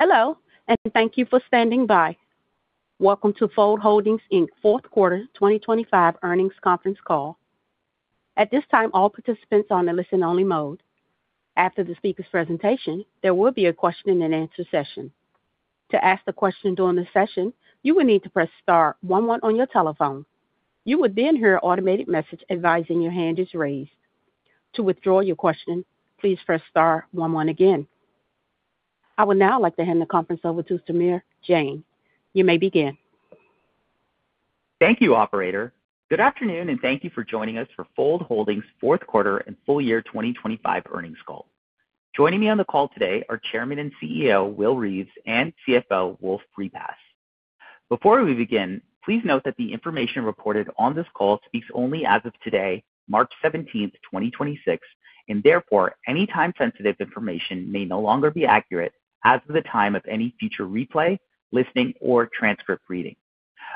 Hello, and thank you for standing by. Welcome to Fold Holdings’ Fourth Quarter 2025 Earnings Conference Call. At this time, all participants are on a listen-only mode. After the speaker's presentation, there will be a question-and-answer session. To ask the question during the session, you will need to press star, one, one, on your telephone. You would then hear an automated message advising your hand is raised. To withdraw your question, please press star, one, one, again. I would now like to hand the conference over to Samir Jain. You may begin. Thank you, operator. Good afternoon, and thank you for joining us for Fold Holdings’ Fourth Quarter and Full Year 2025 Earnings Call. Joining me on the call today are Chairman and CEO, Will Reeves, and CFO, Wolfe Repass. Before we begin, please note that the information reported on this call speaks only as of today, March 17th, 2026, and therefore, any time-sensitive information may no longer be accurate as of the time of any future replay, listening, or transcript reading.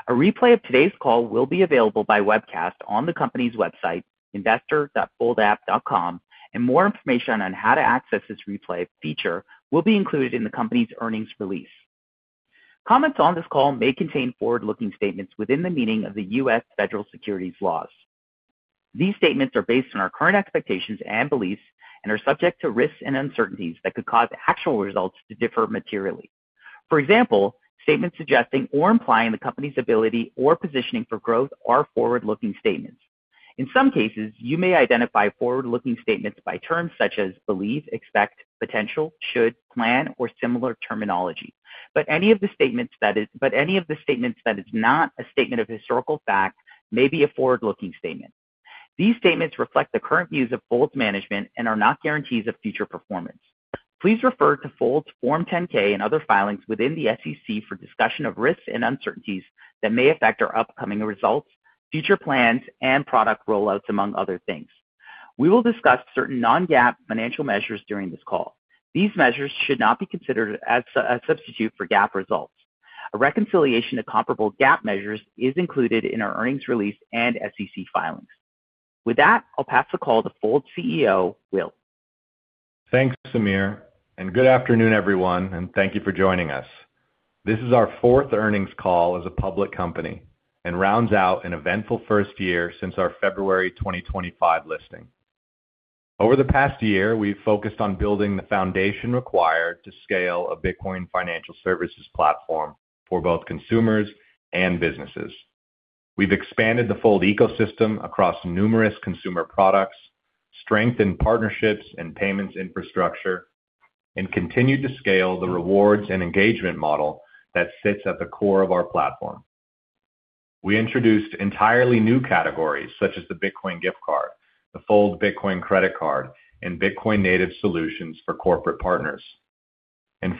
A replay of today's call will be available by webcast on the company's website, foldapp.com, and more information on how to access this replay feature will be included in the company's earnings release. Comments on this call may contain forward-looking statements within the meaning of the U.S. Federal Securities laws. These statements are based on our current expectations and beliefs and are subject to risks and uncertainties that could cause actual results to differ materially. For example, statements suggesting or implying the company's ability or positioning for growth are forward-looking statements. In some cases, you may identify forward-looking statements by terms such as believe, expect, potential, should, plan, or similar terminology. Any of the statements that is not a statement of historical fact may be a forward-looking statement. These statements reflect the current views of Fold's management and are not guarantees of future performance. Please refer to Fold's Form 10-K and other filings with the SEC for discussion of risks and uncertainties that may affect our upcoming results, future plans, and product rollouts, among other things. We will discuss certain non-GAAP financial measures during this call. These measures should not be considered as a substitute for GAAP results. A reconciliation to comparable GAAP measures is included in our earnings release and SEC filings. With that, I'll pass the call to Fold’s CEO, Will. Thanks, Samir, and good afternoon, everyone, and thank you for joining us. This is our fourth earnings call as a public company and rounds out an eventful first year since our February 2025 listing. Over the past year, we've focused on building the foundation required to scale a Bitcoin financial services platform for both consumers and businesses. We've expanded the Fold ecosystem across numerous consumer products, strengthened partnerships and payments infrastructure, and continued to scale the rewards and engagement model that sits at the core of our platform. We introduced entirely new categories, such as the Bitcoin Gift Card, the Fold Bitcoin Credit Card, and Bitcoin native solutions for corporate partners.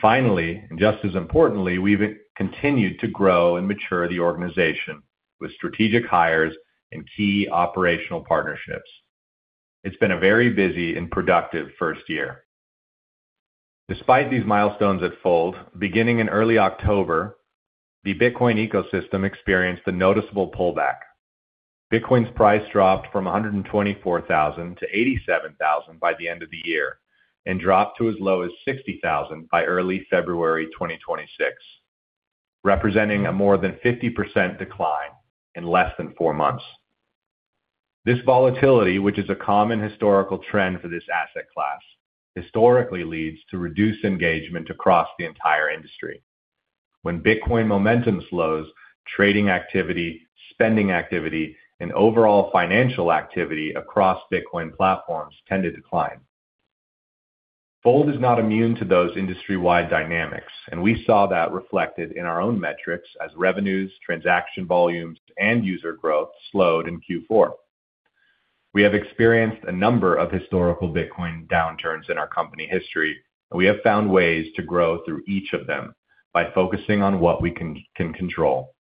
Finally, and just as importantly, we've continued to grow and mature the organization with strategic hires and key operational partnerships. It's been a very busy and productive first year. Despite these milestones at Fold, beginning in early October, the Bitcoin ecosystem experienced a noticeable pullback. Bitcoin's price dropped from $124,000 to $87,000 by the end of the year and dropped to as low as $60,000 by early February 2026, representing a more than 50% decline in less than four months. This volatility, which is a common historical trend for this asset class, historically leads to reduced engagement across the entire industry. When Bitcoin momentum slows, trading activity, spending activity, and overall financial activity across Bitcoin platforms tend to decline. Fold is not immune to those industry-wide dynamics, and we saw that reflected in our own metrics as revenues, transaction volumes, and user growth slowed in Q4. We have experienced a number of historical Bitcoin downturns in our company history. We have found ways to grow through each of them by focusing on what we can control,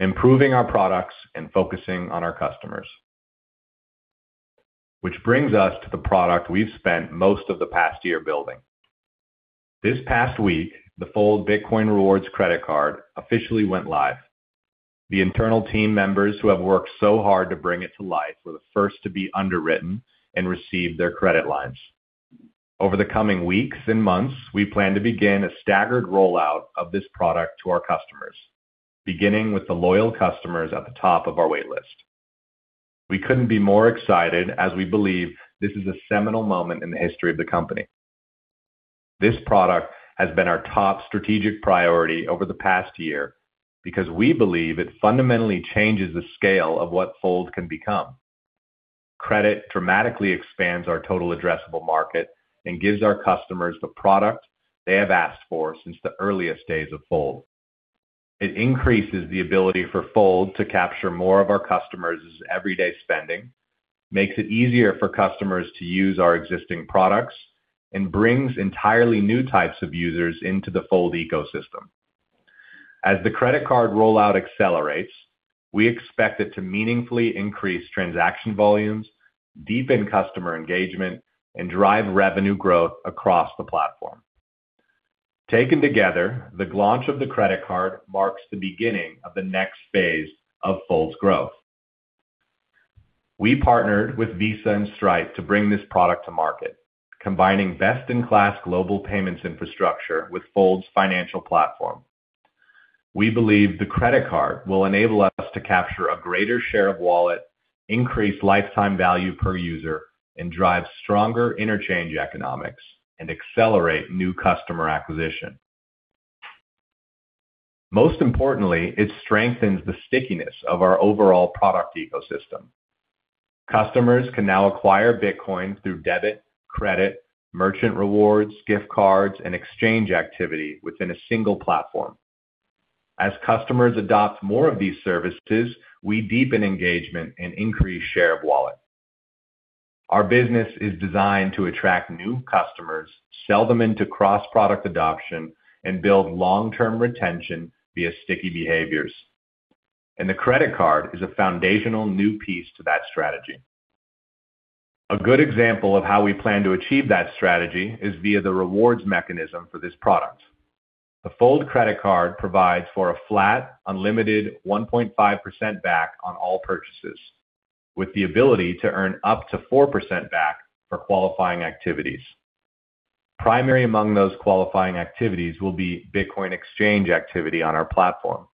improving our products, and focusing on our customers. Which brings us to the product we've spent most of the past year building. This past week, the Fold Bitcoin Rewards Credit Card officially went live. The internal team members who have worked so hard to bring it to life were the first to be underwritten and received their credit lines. Over the coming weeks and months, we plan to begin a staggered rollout of this product to our customers, beginning with the loyal customers at the top of our wait list. We couldn't be more excited as we believe this is a seminal moment in the history of the company. This product has been our top strategic priority over the past year because we believe it fundamentally changes the scale of what Fold can become. Credit dramatically expands our total addressable market and gives our customers the product they have asked for since the earliest days of Fold. It increases the ability for Fold to capture more of our customers' everyday spending, makes it easier for customers to use our existing products, and brings entirely new types of users into the Fold ecosystem. As the Credit Card rollout accelerates, we expect it to meaningfully increase transaction volumes, deepen customer engagement, and drive revenue growth across the platform. Taken together, the launch of the Credit Card marks the beginning of the next phase of Fold's growth. We partnered with Visa and Stripe to bring this product to market, combining best-in-class global payments infrastructure with Fold's financial platform. We believe the Credit Card will enable us to capture a greater share of wallet, increase lifetime value per user, and drive stronger interchange economics and accelerate new customer acquisition. Most importantly, it strengthens the stickiness of our overall product ecosystem. Customers can now acquire Bitcoin through debit, credit, merchant rewards, Gift Cards, and exchange activity within a single platform. As customers adopt more of these services, we deepen engagement and increase share of wallet. Our business is designed to attract new customers, sell them into cross-product adoption, and build long-term retention via sticky behaviors. The Credit Card is a foundational new piece to that strategy. A good example of how we plan to achieve that strategy is via the rewards mechanism for this product. The Fold Credit Card provides for a flat, unlimited 1.5% back on all purchases, with the ability to earn up to 4% back for qualifying activities. Primary among those qualifying activities will be Bitcoin exchange activity on our platform.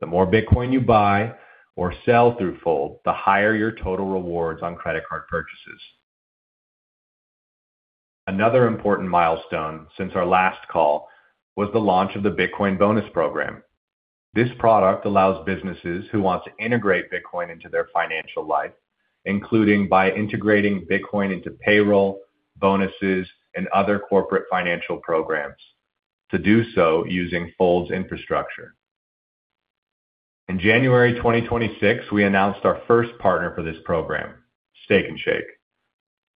The more Bitcoin you buy or sell through Fold, the higher your total rewards on Credit Card purchases. Another important milestone since our last call was the launch of the Bitcoin bonus program. This product allows businesses who want to integrate Bitcoin into their financial life, including by integrating Bitcoin into payroll, bonuses, and other corporate financial programs to do so using Fold's infrastructure. In January 2026, we announced our first partner for this program, Steak 'n Shake.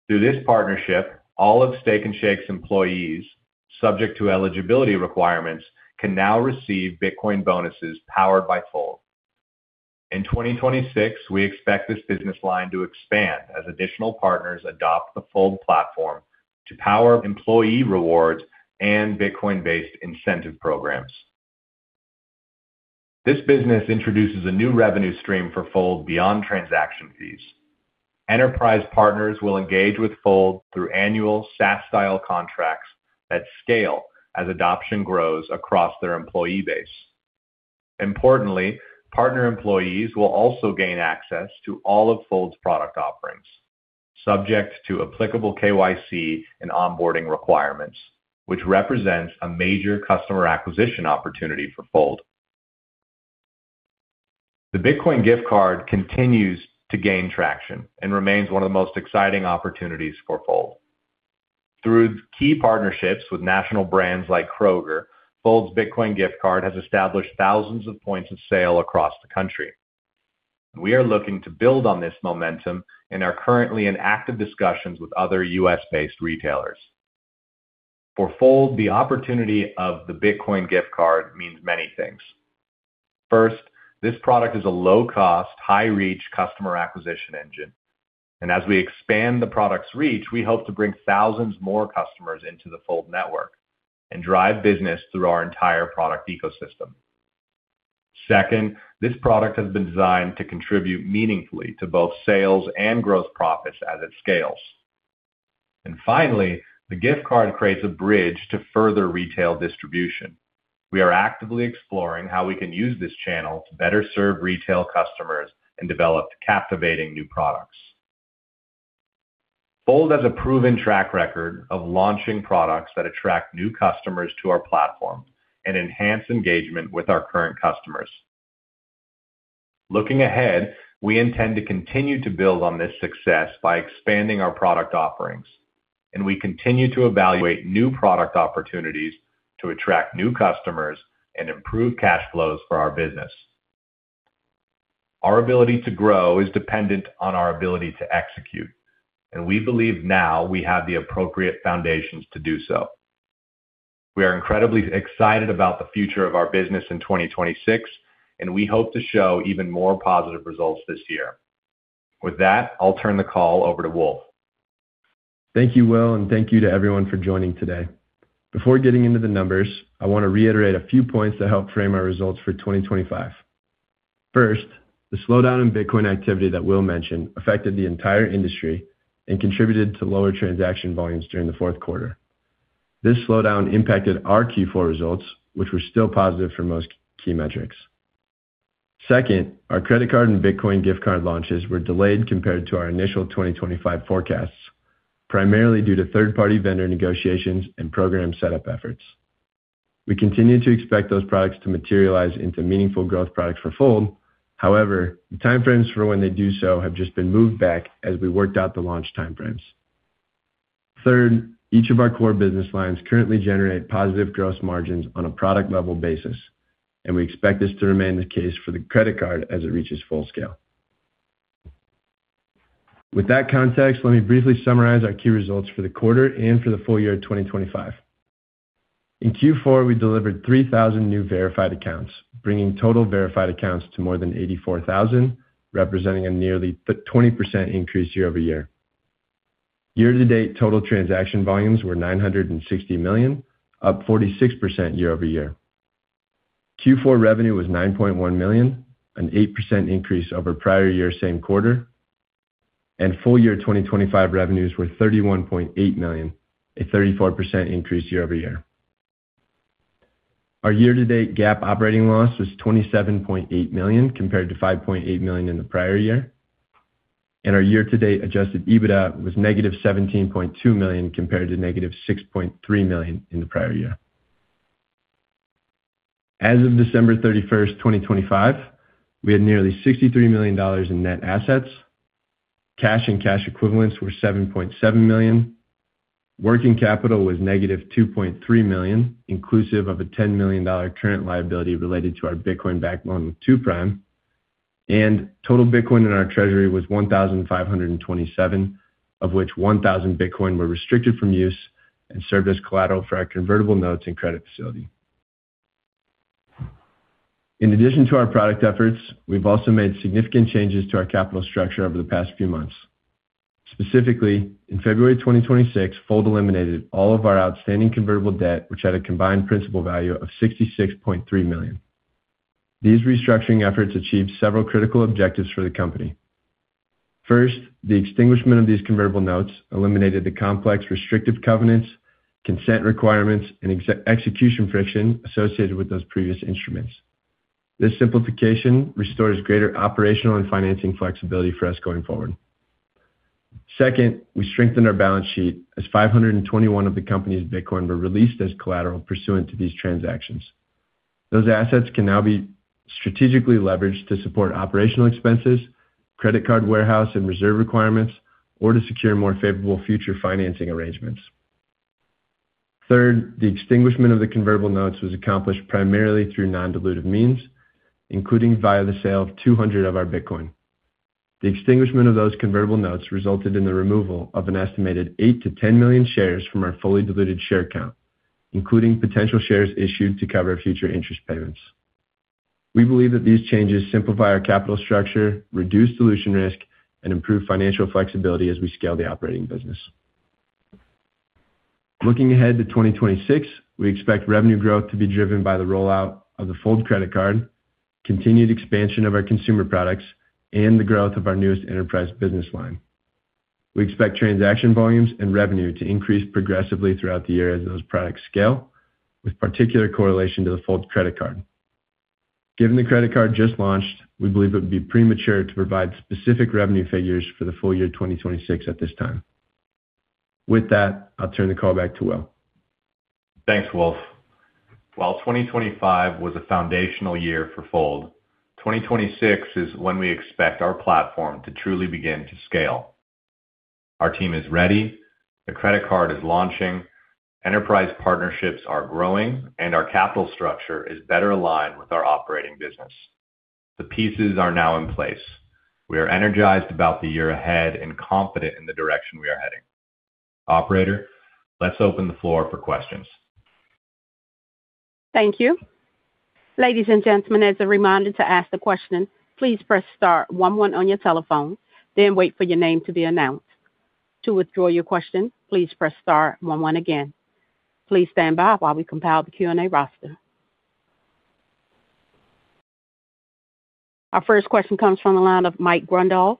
Through this partnership, all of Steak 'n Shake's employees, subject to eligibility requirements, can now receive Bitcoin bonuses powered by Fold. In 2026, we expect this business line to expand as additional partners adopt the Fold platform to power employee rewards and Bitcoin-based incentive programs. This business introduces a new revenue stream for Fold beyond transaction fees. Enterprise partners will engage with Fold through annual SaaS-style contracts that scale as adoption grows across their employee base. Importantly, partner employees will also gain access to all of Fold's product offerings, subject to applicable KYC and onboarding requirements, which represents a major customer acquisition opportunity for Fold. The Bitcoin Gift Card continues to gain traction and remains one of the most exciting opportunities for Fold. Through key partnerships with national brands like Kroger, Fold's Bitcoin Gift Card has established thousands of points of sale across the country. We are looking to build on this momentum and are currently in active discussions with other U.S.-based retailers. For Fold, the opportunity of the Bitcoin Gift Card means many things. First, this product is a low-cost, high-reach customer acquisition engine, and as we expand the product's reach, we hope to bring thousands more customers into the Fold network and drive business through our entire product ecosystem. Second, this product has been designed to contribute meaningfully to both sales and gross profits as it scales. Finally, the Gift Card creates a bridge to further retail distribution. We are actively exploring how we can use this channel to better serve retail customers and develop captivating new products. Fold has a proven track record of launching products that attract new customers to our platform and enhance engagement with our current customers. Looking ahead, we intend to continue to build on this success by expanding our product offerings, and we continue to evaluate new product opportunities to attract new customers and improve cash flows for our business. Our ability to grow is dependent on our ability to execute, and we believe now we have the appropriate foundations to do so. We are incredibly excited about the future of our business in 2026, and we hope to show even more positive results this year. With that, I'll turn the call over to Wolfe. Thank you, Will, and thank you to everyone for joining today. Before getting into the numbers, I want to reiterate a few points that help frame our results for 2025. First, the slowdown in Bitcoin activity that Will mentioned affected the entire industry and contributed to lower transaction volumes during the fourth quarter. This slowdown impacted our Q4 results, which were still positive for most key metrics. Second, our Credit Card and Bitcoin Gift Card launches were delayed compared to our initial 2025 forecasts, primarily due to third-party vendor negotiations and program setup efforts. We continue to expect those products to materialize into meaningful growth products for Fold. However, the time frames for when they do so have just been moved back as we worked out the launch time frames. Third, each of our core business lines currently generate positive gross margins on a product-level basis, and we expect this to remain the case for the Credit Card as it reaches full scale. With that context, let me briefly summarize our key results for the quarter and for the full year of 2025. In Q4, we delivered 3,000 new verified accounts, bringing total verified accounts to more than 84,000, representing a nearly 20% increase year-over-year. Year-to-date total transaction volumes were $960 million, up 46% year-over-year. Q4 revenue was $9.1 million, an 8% increase over prior year same quarter, and full year 2025 revenues were $31.8 million, a 34% increase year-over-year. Our year-to-date GAAP operating loss was $27.8 million, compared to $5.8 million in the prior year. Our year-to-date adjusted EBITDA was -$17.2 million compared to -$6.3 million in the prior year. As of December 31st, 2025, we had nearly $63 million in net assets. Cash and cash equivalents were $7.7 million. Working capital was negative $2.3 million, inclusive of a $10 million current liability related to our Bitcoin-backed loan with Two Prime. Total Bitcoin in our treasury was 1,527, of which 1,000 Bitcoin were restricted from use and served as collateral for our convertible notes and credit facility. In addition to our product efforts, we've also made significant changes to our capital structure over the past few months. Specifically, in February 2026, Fold eliminated all of our outstanding convertible debt, which had a combined principal value of $66.3 million. These restructuring efforts achieved several critical objectives for the company. First, the extinguishment of these convertible notes eliminated the complex restrictive covenants, consent requirements, and execution friction associated with those previous instruments. This simplification restores greater operational and financing flexibility for us going forward. Second, we strengthened our balance sheet as 521 of the company's Bitcoin were released as collateral pursuant to these transactions. Those assets can now be strategically leveraged to support operational expenses, Credit Card warehouse, and reserve requirements, or to secure more favorable future financing arrangements. Third, the extinguishment of the convertible notes was accomplished primarily through non-dilutive means, including via the sale of 200 of our Bitcoin. The extinguishment of those convertible notes resulted in the removal of an estimated 8–10 million shares from our fully diluted share count, including potential shares issued to cover future interest payments. We believe that these changes simplify our capital structure, reduce dilution risk, and improve financial flexibility as we scale the operating business. Looking ahead to 2026, we expect revenue growth to be driven by the rollout of the Fold Credit Card, continued expansion of our consumer products, and the growth of our newest enterprise business line. We expect transaction volumes and revenue to increase progressively throughout the year as those products scale, with particular correlation to the Fold Credit Card. Given the Credit Card just launched, we believe it would be premature to provide specific revenue figures for the full year 2026 at this time. With that, I'll turn the call back to Will. Thanks, Wolfe. While 2025 was a foundational year for Fold, 2026 is when we expect our platform to truly begin to scale. Our team is ready. The Credit Card is launching, enterprise partnerships are growing, and our capital structure is better aligned with our operating business. The pieces are now in place. We are energized about the year ahead and confident in the direction we are heading. Operator, let's open the floor for questions. Thank you. Ladies and gentlemen, as a reminder to ask the question, please press star, one, one, on your telephone, then wait for your name to be announced. To withdraw your question, please press star, one, one, again. Please stand by while we compile the Q&A roster. Our first question comes from the line of Mike Grondahl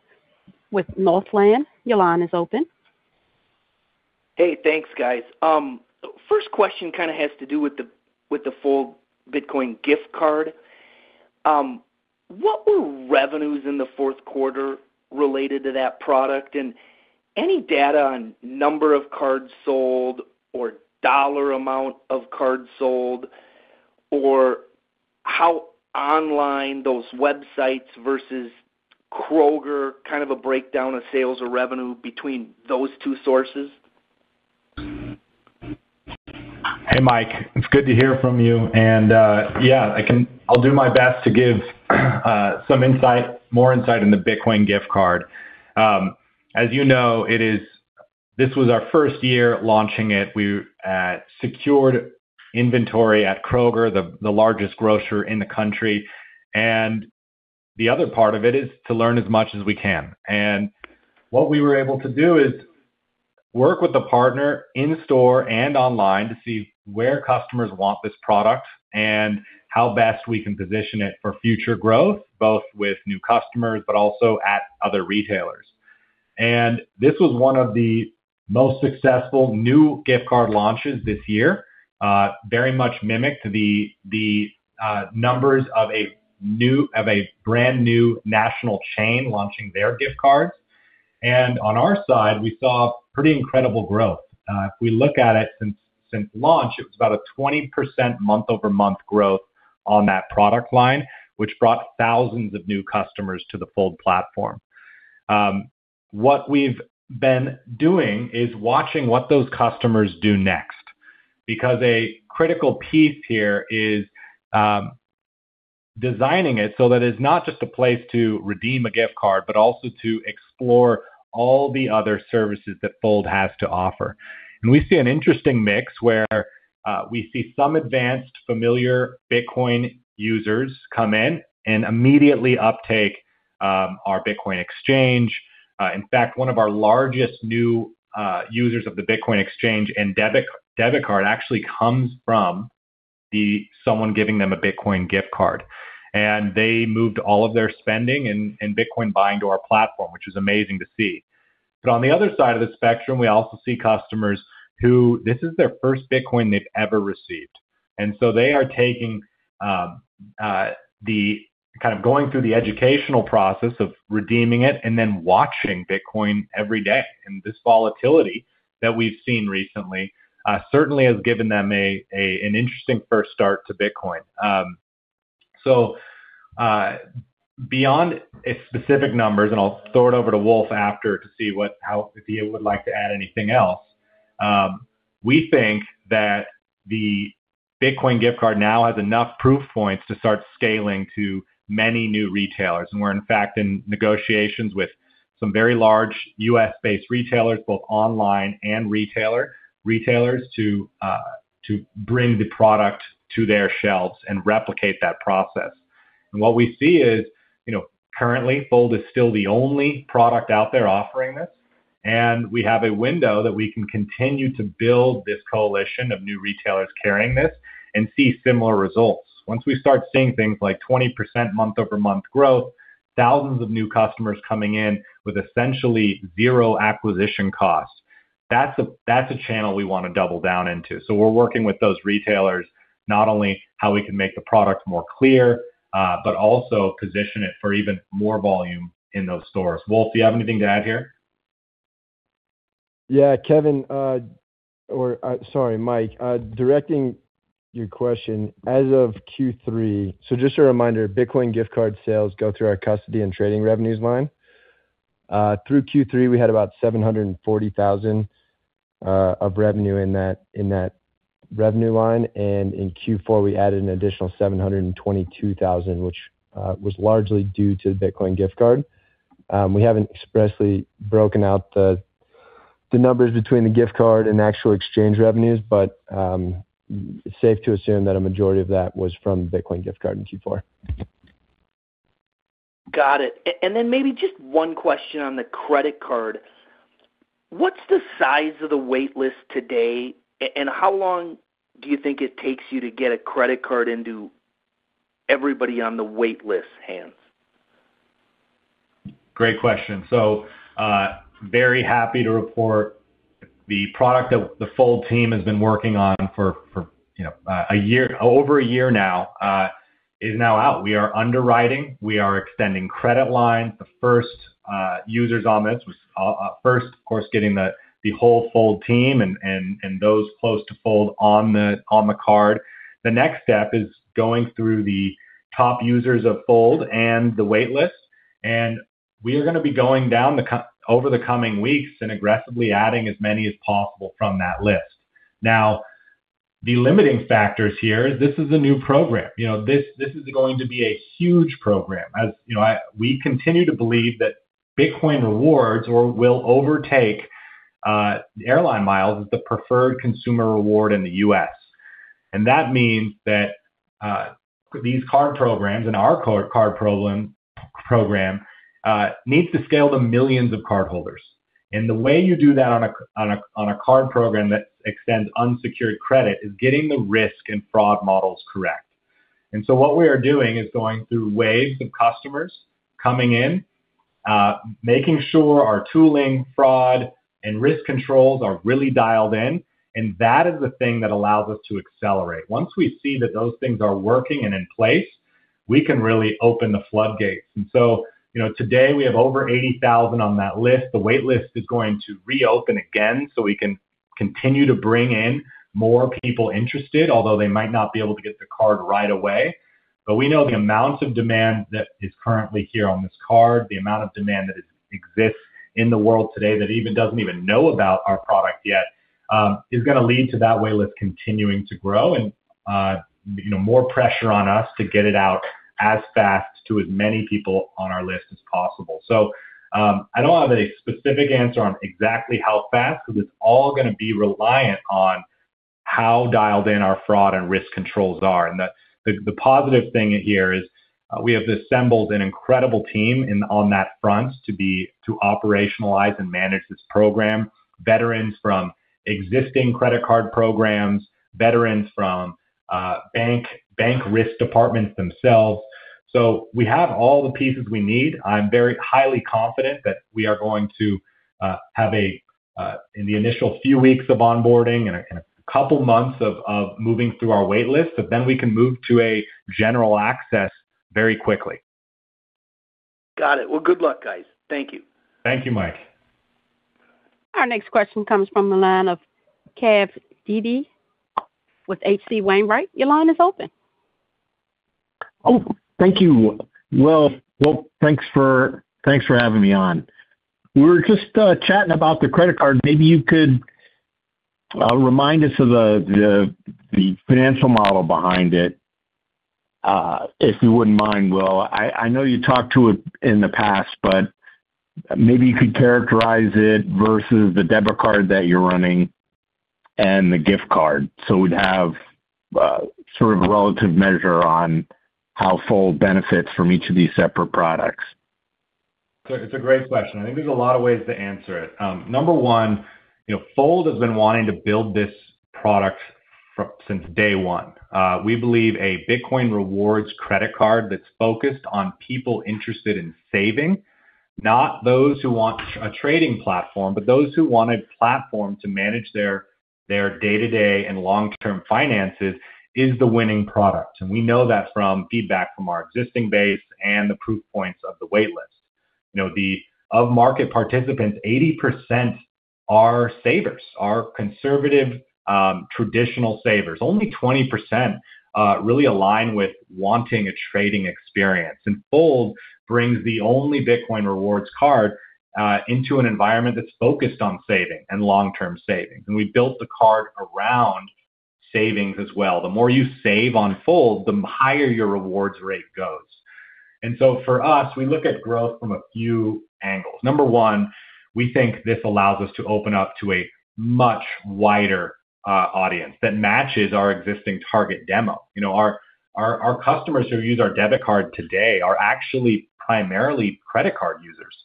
with Northland. Your line is open. Hey, thanks, guys. First question kind of has to do with the Fold Bitcoin Gift Card. What were revenues in the fourth quarter related to that product? Any data on number of cards sold or dollar amount of cards sold, or how online those websites versus Kroger, kind of a breakdown of sales or revenue between those two sources? Hey, Mike, it's good to hear from you. I'll do my best to give some insight, more insight on the Bitcoin Gift Card. As you know, this was our first year launching it. We secured inventory at Kroger, the largest grocer in the country. The other part of it is to learn as much as we can. What we were able to do is work with the partner in store and online to see where customers want this product and how best we can position it for future growth, both with new customers but also at other retailers. This was one of the most successful new Gift Card launches this year. Very much mimicked the numbers of a brand new national chain launching their Gift Cards. On our side, we saw pretty incredible growth. If we look at it since launch, it was about a 20% month-over-month growth on that product line, which brought thousands of new customers to the Fold platform. What we've been doing is watching what those customers do next, because a critical piece here is designing it so that it's not just a place to redeem a Gift Card, but also to explore all the other services that Fold has to offer. We see an interesting mix, where we see some advanced familiar Bitcoin users come in and immediately uptake our Bitcoin exchange. In fact, one of our largest new users of the Bitcoin exchange and Debit Card actually comes from someone giving them a Bitcoin Gift Card. They moved all of their spending and Bitcoin buying to our platform, which is amazing to see. On the other side of the spectrum, we also see customers who this is their first Bitcoin they've ever received. They are kind of going through the educational process of redeeming it and then watching Bitcoin every day. This volatility that we've seen recently certainly has given them an interesting first start to Bitcoin. Beyond its specific numbers, and I'll throw it over to Wolfe after to see how if he would like to add anything else. We think that the Bitcoin Gift Card now has enough proof points to start scaling to many new retailers. We're in fact in negotiations with some very large U.S.-based retailers, both online and retailers to bring the product to their shelves and replicate that process. What we see is, you know, currently, Fold is still the only product out there offering this, and we have a window that we can continue to build this coalition of new retailers carrying this and see similar results. Once we start seeing things like 20% month-over-month growth, thousands of new customers coming in with essentially zero acquisition costs, that's a channel we wanna double down into. We're working with those retailers not only how we can make the product more clear, but also position it for even more volume in those stores. Wolfe, do you have anything to add here? Yeah. Kevin, or sorry, Mike, directing your question, as of Q3. Just a reminder, Bitcoin Gift Card sales go through our custody and trading revenues line. Through Q3, we had about $740,000 of revenue in that revenue line, and in Q4, we added an additional $722,000, which was largely due to the Bitcoin Gift Card. We haven't expressly broken out the numbers between the Gift Card and actual exchange revenues, but it's safe to assume that a majority of that was from Bitcoin Gift Card in Q4. Got it. Maybe just one question on the Credit Card. What's the size of the wait list today? How long do you think it takes you to get a Credit Card into everybody on the wait list's hands? Great question. Very happy to report the product that the Fold team has been working on for, you know, a year, over a year now, is now out. We are underwriting. We are extending credit lines. The first users on this was first, of course, getting the whole Fold team and those close to Fold on the card. The next step is going through the top users of Fold and the wait list, and we are gonna be going down over the coming weeks and aggressively adding as many as possible from that list. Now, the limiting factors here, this is a new program. You know, this is going to be a huge program. We continue to believe that Bitcoin rewards or will overtake the airline miles as the preferred consumer reward in the U.S. That means that these card programs and our card program needs to scale to millions of cardholders. The way you do that on a card program that extends unsecured credit is getting the risk and fraud models correct. What we are doing is going through waves of customers coming in making sure our tooling, fraud, and risk controls are really dialed in, and that is the thing that allows us to accelerate. Once we see that those things are working and in place, we can really open the floodgates. You know, today we have over 80,000 on that list. The wait list is going to reopen again, so we can continue to bring in more people interested, although they might not be able to get the card right away. We know the amount of demand that is currently here on this card, the amount of demand that exists in the world today that even doesn't know about our product yet, is gonna lead to that wait list continuing to grow and, you know, more pressure on us to get it out as fast to as many people on our list as possible. I don't have a specific answer on exactly how fast, because it's all gonna be reliant on how dialed in our fraud and risk controls are. The positive thing here is we have assembled an incredible team in, on that front to operationalize and manage this program. Veterans from existing Credit Card programs, veterans from bank risk departments themselves. We have all the pieces we need. I'm very highly confident that we are going to have a in the initial few weeks of onboarding and a couple months of moving through our wait list, but then we can move to a general access very quickly. Got it. Well, good luck, guys. Thank you. Thank you, Mike. Our next question comes from the line of Kevin Dede with H.C. Wainwright. Your line is open. Oh, thank you. Well, thanks for having me on. We were just chatting about the Credit Card. Maybe you could remind us of the financial model behind it, if you wouldn't mind, Will. I know you talked to it in the past, but maybe you could characterize it versus the Debit Card that you're running and the Gift Card. We'd have sort of a relative measure on how Fold benefits from each of these separate products. It's a great question. I think there's a lot of ways to answer it. Number one, you know, Fold has been wanting to build this product since day one. We believe a Bitcoin rewards Credit Card that's focused on people interested in saving, not those who want a trading platform, but those who want a platform to manage their day-to-day and long-term finances, is the winning product. We know that from feedback from our existing base and the proof points of the wait list. You know, of market participants, 80% are savers, conservative, traditional savers. Only 20% really align with wanting a trading experience. Fold brings the only Bitcoin rewards card into an environment that's focused on saving and long-term saving. We built the card around savings as well. The more you save on Fold, the higher your rewards rate goes. For us, we look at growth from a few angles. Number one, we think this allows us to open up to a much wider audience that matches our existing target demo. You know, our customers who use our Debit Card today are actually primarily Credit Card users.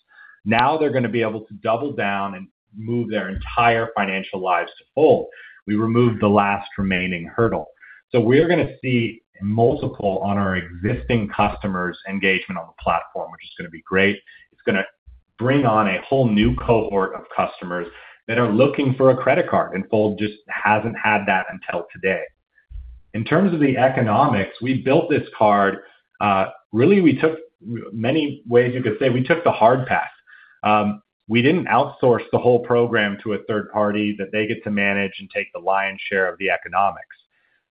Now they're gonna be able to double down and move their entire financial lives to Fold. We removed the last remaining hurdle. We're gonna see multiple on our existing customers' engagement on the platform, which is gonna be great. It's gonna bring on a whole new cohort of customers that are looking for a Credit Card, and Fold just hasn't had that until today. In terms of the economics, we build this card, really, we took, many ways you could say—we took the hard path. We didn't outsource the whole program to a third party, that they get to manage and take the lion's share of the economics.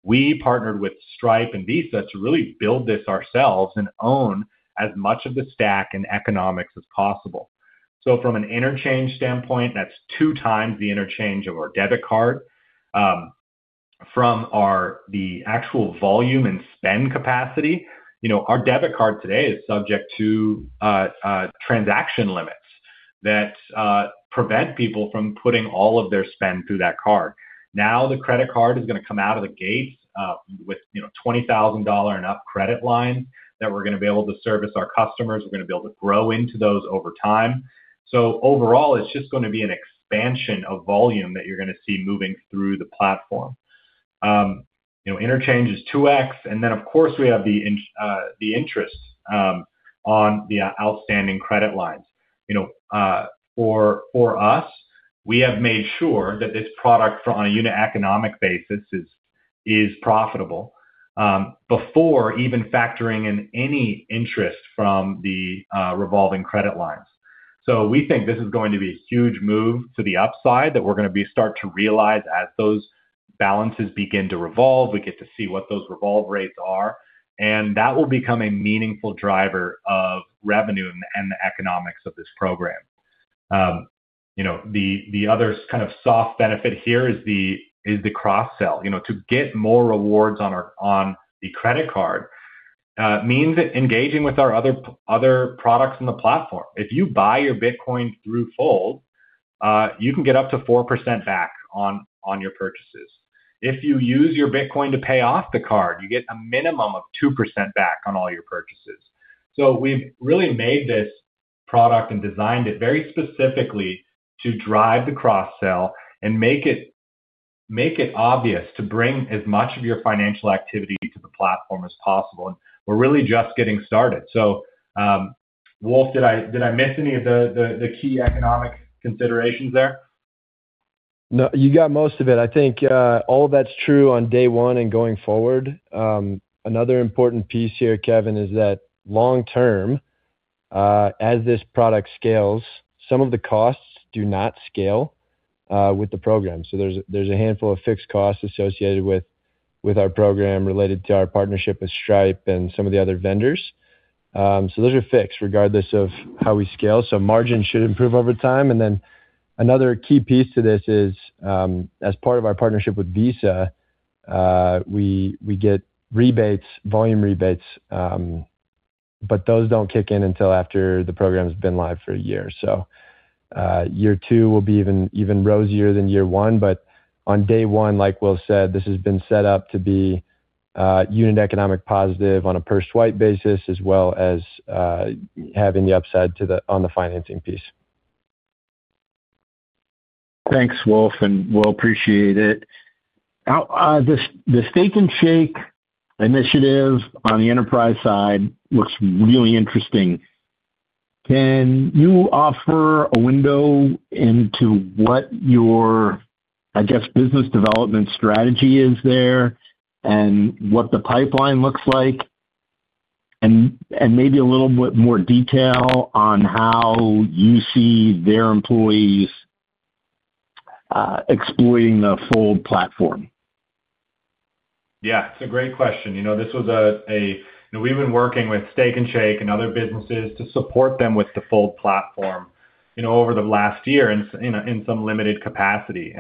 We partnered with Stripe and Visa to really build this ourselves and own as much of the stack and economics as possible. From an interchange standpoint, that's two times the interchange of our Debit Card. From the actual volume and spend capacity, you know, our Debit Card today is subject to transaction limits that prevent people from putting all of their spend through that card. Now, the Credit Card is gonna come out of the gate with, you know, $20,000 and up credit line that we're gonna be able to service our customers. We're gonna be able to grow into those over time. Overall, it's just gonna be an expansion of volume that you're gonna see moving through the platform. Interchange is 2x, and then, of course, we have the interest on the outstanding credit lines. For us, we have made sure that this product on a unit economic basis is profitable before even factoring in any interest from the revolving credit lines. We think this is going to be a huge move to the upside that we're gonna start to realize as those balances begin to revolve. We get to see what those revolve rates are, and that will become a meaningful driver of revenue and the economics of this program. The other kind of soft benefit here is the cross-sell. You know, to get more rewards on our on the Credit Card means engaging with our other other products in the platform. If you buy your Bitcoin through Fold, you can get up to 4% back on your purchases. If you use your Bitcoin to pay off the card, you get a minimum of 2% back on all your purchases. We've really made this product and designed it very specifically to drive the cross-sell and make it obvious to bring as much of your financial activity to the platform as possible. We're really just getting started. Wolfe, did I miss any of the key economic considerations there? No, you got most of it. I think all that's true on day one and going forward. Another important piece here, Kevin, is that long term, as this product scales, some of the costs do not scale with the program. There's a handful of fixed costs associated with our program related to our partnership with Stripe and some of the other vendors. Those are fixed regardless of how we scale. Margins should improve over time. Then another key piece to this is, as part of our partnership with Visa, we get rebates, volume rebates, but those don't kick in until after the program's been live for a year. Year two will be even rosier than year one. On day one, like Will said, this has been set up to be unit economics positive on a per swipe basis, as well as having the upside on the financing piece. Thanks, Wolfe and Will. Appreciate it. Now, the Steak 'n Shake initiative on the enterprise side looks really interesting. Can you offer a window into what your, I guess, business development strategy is there and what the pipeline looks like? Maybe a little bit more detail on how you see their employees exploiting the Fold platform. Yeah, it's a great question. You know, we've been working with Steak 'n Shake and other businesses to support them with the Fold platform, you know, over the last year in some limited capacity.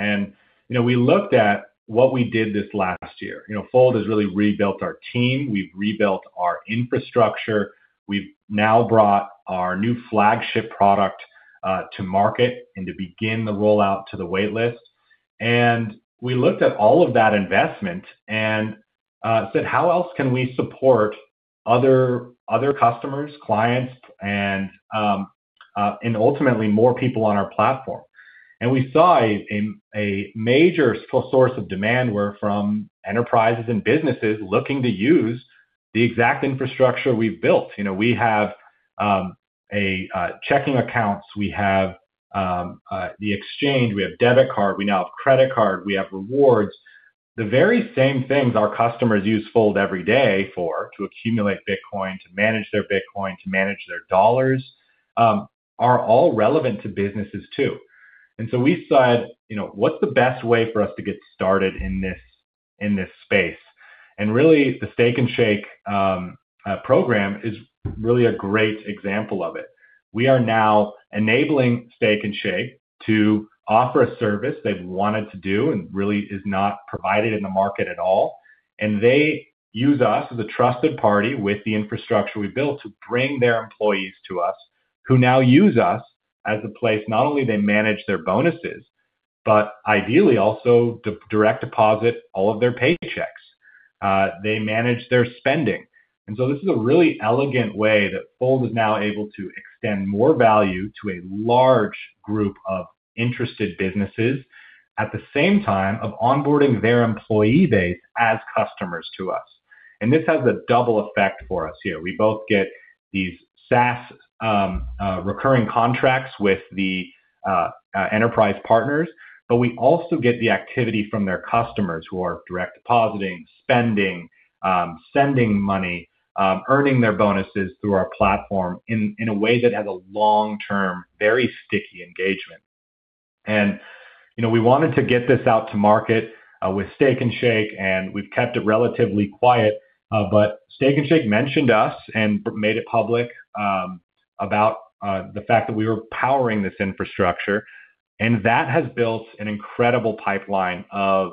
You know, we looked at what we did this last year. You know, Fold has really rebuilt our team. We've rebuilt our infrastructure. We've now brought our new flagship product to market and to begin the rollout to the wait list. We looked at all of that investment and said, "How else can we support other customers, clients and ultimately more people on our platform?" We saw a major source of demand were from enterprises and businesses looking to use the exact infrastructure we've built. You know, we have checking accounts, we have the exchange, we have Debit Card, we now have Credit Card, we have rewards. The very same things our customers use Fold every day for to accumulate Bitcoin, to manage their Bitcoin, to manage their dollars, are all relevant to businesses too. We said, you know, "What's the best way for us to get started in this space?" Really, the Steak 'n Shake program is really a great example of it. We are now enabling Steak 'n Shake to offer a service they've wanted to do and really is not provided in the market at all, and they use us as a trusted party with the infrastructure we've built to bring their employees to us, who now use us as a place, not only they manage their bonuses, but ideally also direct deposit all of their paychecks. They manage their spending. This is a really elegant way that Fold is now able to extend more value to a large group of interested businesses at the same time of onboarding their employee base as customers to us. This has a double effect for us here. We both get these SaaS recurring contracts with the enterprise partners, but we also get the activity from their customers who are direct depositing, spending, sending money, earning their bonuses through our platform in a way that has a long-term, very sticky engagement. You know, we wanted to get this out to market with Steak 'n Shake, and we've kept it relatively quiet. Steak 'n Shake mentioned us and made it public about the fact that we were powering this infrastructure, and that has built an incredible pipeline of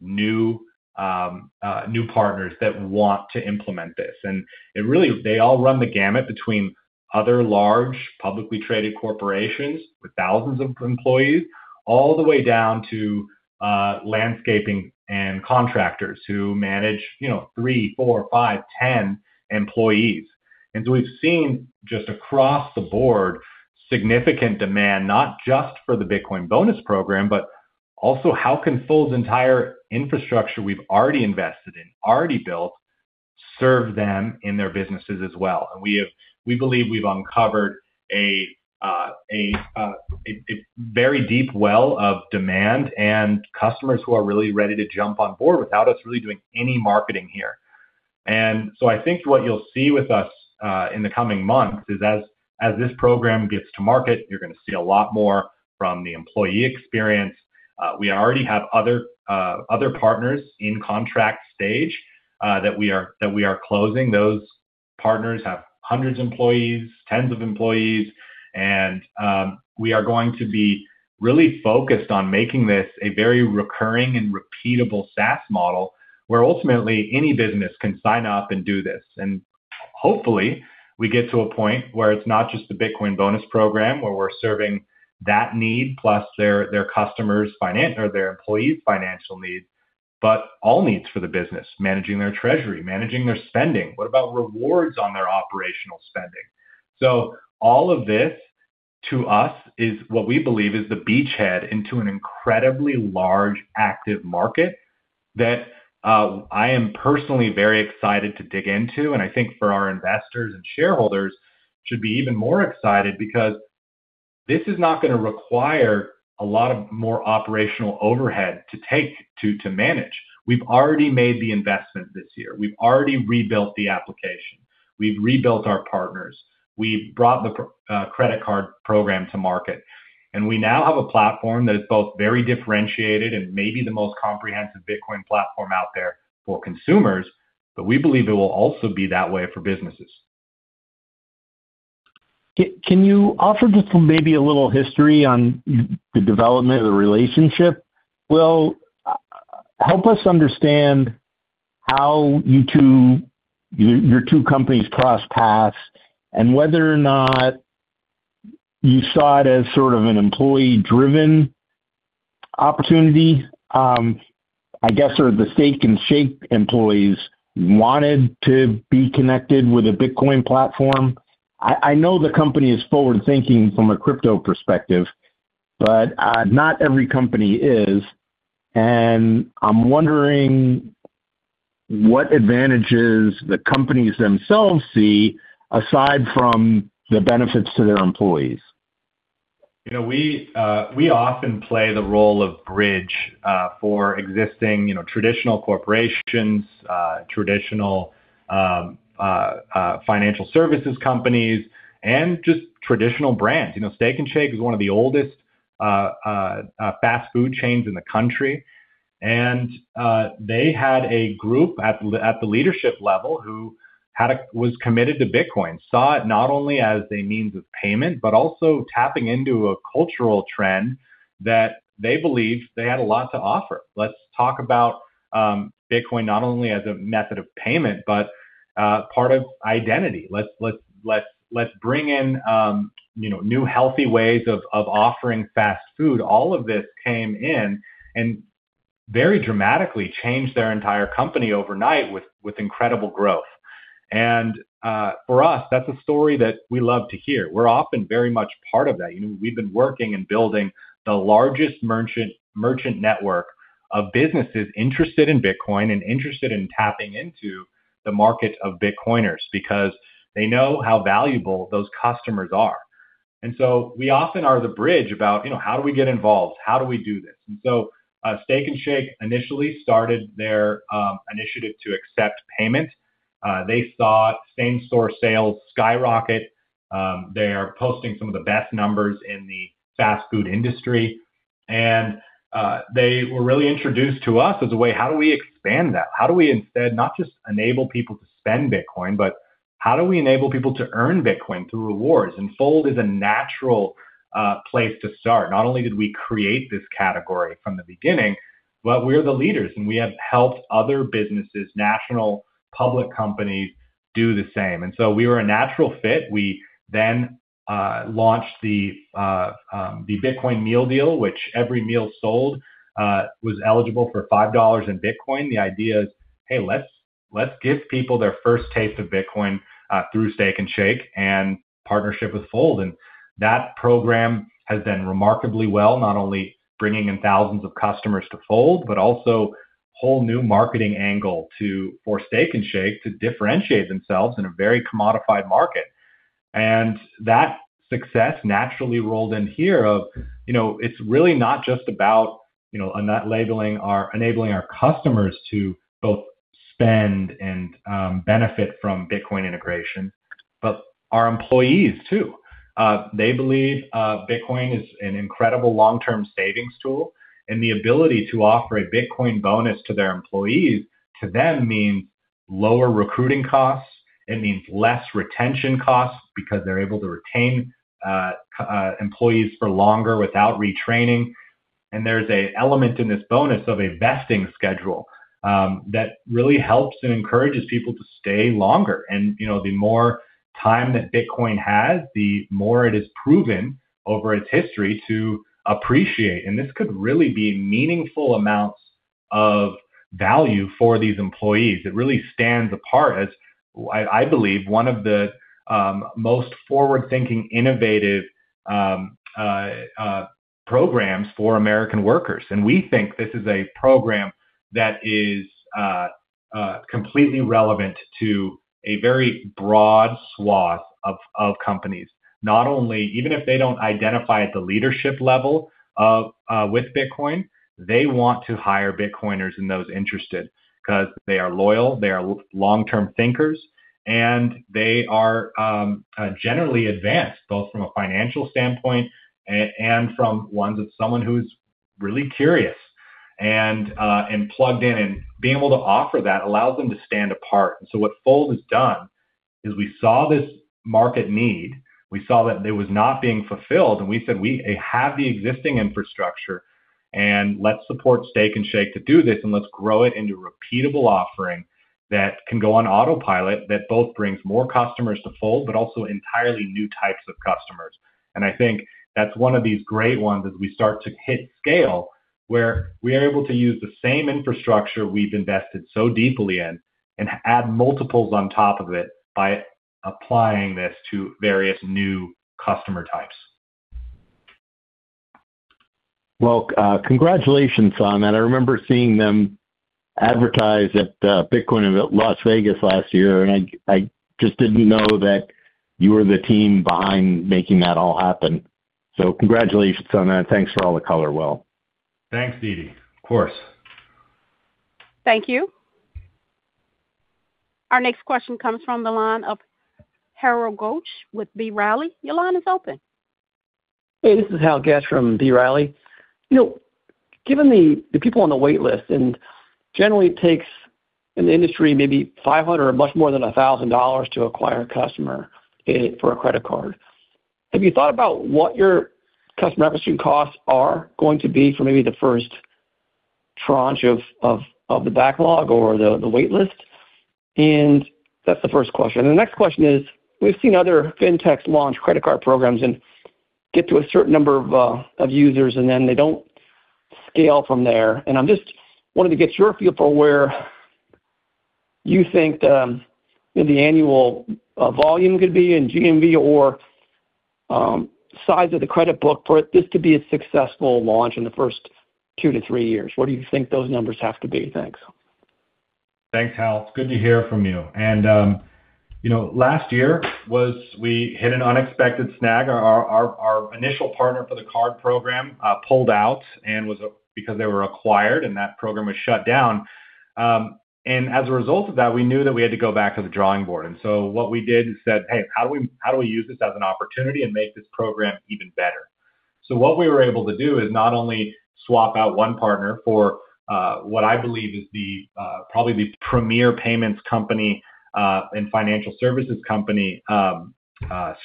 new partners that want to implement this. They all run the gamut between other large publicly traded corporations with thousands of employees, all the way down to landscaping and contractors who manage, you know, three, four, five, 10 employees. We've seen just across the board, significant demand, not just for the Bitcoin bonus program, but also how can Fold's entire infrastructure we've already invested in, already built, serve them in their businesses as well. We believe we've uncovered a very deep well of demand and customers who are really ready to jump on board without us really doing any marketing here. I think what you'll see with us in the coming months is as this program gets to market, you're gonna see a lot more from the employee experience. We already have other partners in contract stage that we are closing. Those partners have hundreds of employees, tens of employees, and we are going to be really focused on making this a very recurring and repeatable SaaS model where ultimately any business can sign up and do this. Hopefully, we get to a point where it's not just the Bitcoin bonus program where we're serving that need plus their customers' financial or their employees' financial needs, but all needs for the business, managing their treasury, managing their spending. What about rewards on their operational spending? All of this to us is what we believe is the beachhead into an incredibly large, active market that I am personally very excited to dig into. I think for our investors and shareholders should be even more excited because this is not gonna require a lot of more operational overhead to manage. We've already made the investment this year. We've already rebuilt the application. We've rebuilt our partners. We've brought the Credit Card program to market. We now have a platform that is both very differentiated and maybe the most comprehensive Bitcoin platform out there for consumers. We believe it will also be that way for businesses. Can you offer just maybe a little history on the development of the relationship? Will, help us understand how you two, your two companies crossed paths and whether or not you saw it as sort of an employee-driven opportunity, I guess, or the Steak 'n Shake employees wanted to be connected with a Bitcoin platform. I know the company is forward-thinking from a crypto perspective, but not every company is. I'm wondering what advantages the companies themselves see aside from the benefits to their employees. You know, we often play the role of bridge for existing, you know, traditional corporations, traditional financial services companies, and just traditional brands. You know, Steak 'n Shake is one of the oldest fast food chains in the country. They had a group at the leadership level who was committed to Bitcoin, saw it not only as a means of payment, but also tapping into a cultural trend that they believed they had a lot to offer. Let's talk about Bitcoin not only as a method of payment, but part of identity. Let's bring in, you know, new healthy ways of offering fast food. All of this came in and very dramatically changed their entire company overnight with incredible growth. For us, that's a story that we love to hear. We're often very much part of that. You know, we've been working and building the largest merchant network of businesses interested in Bitcoin and interested in tapping into the market of Bitcoiners because they know how valuable those customers are. We often are the bridge about, you know, how do we get involved? How do we do this? Steak 'n Shake initially started their initiative to accept payment. They saw same-store sales skyrocket. They are posting some of the best numbers in the fast food industry. They were really introduced to us as a way, how do we expand that? How do we instead not just enable people to spend Bitcoin, but how do we enable people to earn Bitcoin through rewards? Fold is a natural place to start. Not only did we create this category from the beginning, but we're the leaders, and we have helped other businesses, national public companies, do the same. We were a natural fit. We then launched the Bitcoin Meal Deal, which every meal sold was eligible for $5 in Bitcoin. The idea is, hey, let's give people their first taste of Bitcoin through Steak 'n Shake and partnership with Fold. That program has done remarkably well, not only bringing in thousands of customers to Fold, but also whole new marketing angle for Steak 'n Shake to differentiate themselves in a very commodified market. That success naturally rolled in here of, you know, it's really not just about, you know, enabling our customers to both spend and benefit from Bitcoin integration, but our employees too. They believe Bitcoin is an incredible long-term savings tool, and the ability to offer a Bitcoin bonus to their employees to them means lower recruiting costs. It means less retention costs because they're able to retain employees for longer without retraining. There's an element in this bonus of a vesting schedule that really helps and encourages people to stay longer. You know, the more time that Bitcoin has, the more it is proven over its history to appreciate. This could really be meaningful amounts of value for these employees. It really stands apart as I believe one of the most forward-thinking innovative programs for American workers. We think this is a program that is completely relevant to a very broad swath of companies. Even if they don't identify at the leadership level with Bitcoin, they want to hire Bitcoiners and those interested 'cause they are loyal, they are long-term thinkers, and they are generally advanced, both from a financial standpoint and from one of someone who's really curious and plugged in. Being able to offer that allows them to stand apart. What Fold has done is we saw this market need. We saw that it was not being fulfilled, and we said, "We have the existing infrastructure, and let's support Steak 'n Shake to do this, and let's grow it into repeatable offering that can go on autopilot that both brings more customers to Fold, but also entirely new types of customers." I think that's one of these great ones as we start to hit scale, where we are able to use the same infrastructure we've invested so deeply in and add multiples on top of it by applying this to various new customer types. Well, congratulations on that. I remember seeing them advertise at Bitcoin in Las Vegas last year, and I just didn't know that you were the team behind making that all happen. Congratulations on that. Thanks for all the color, Will. Thanks, Dede, Of course. Thank you. Our next question comes from the line of Hal Goetsch with B. Riley. Your line is open. Hey, this is Hal Goetsch from B. Riley. You know, given the people on the wait list, and generally, it takes in the industry maybe $500 or much more than $1,000 to acquire a customer for a Credit Card, have you thought about what your customer acquisition costs are going to be for maybe the first tranche of the backlog or the wait list? That's the first question. The next question is, we've seen other fintechs launch Credit Card programs and get to a certain number of users, and then they don't scale from there. I'm just wanting to get your feel for where you think, you know, the annual volume could be in GMV or size of the credit book for it, this to be a successful launch in the first two to three years. What do you think those numbers have to be? Thanks. Thanks, Hal. It's good to hear from you. Last year, we hit an unexpected snag. Our initial partner for the card program pulled out because they were acquired, and that program was shut down. As a result of that, we knew that we had to go back to the drawing board. What we did was say, "Hey, how do we use this as an opportunity and make this program even better?" What we were able to do is not only swap out one partner for what I believe is probably the premier payments company and financial services company,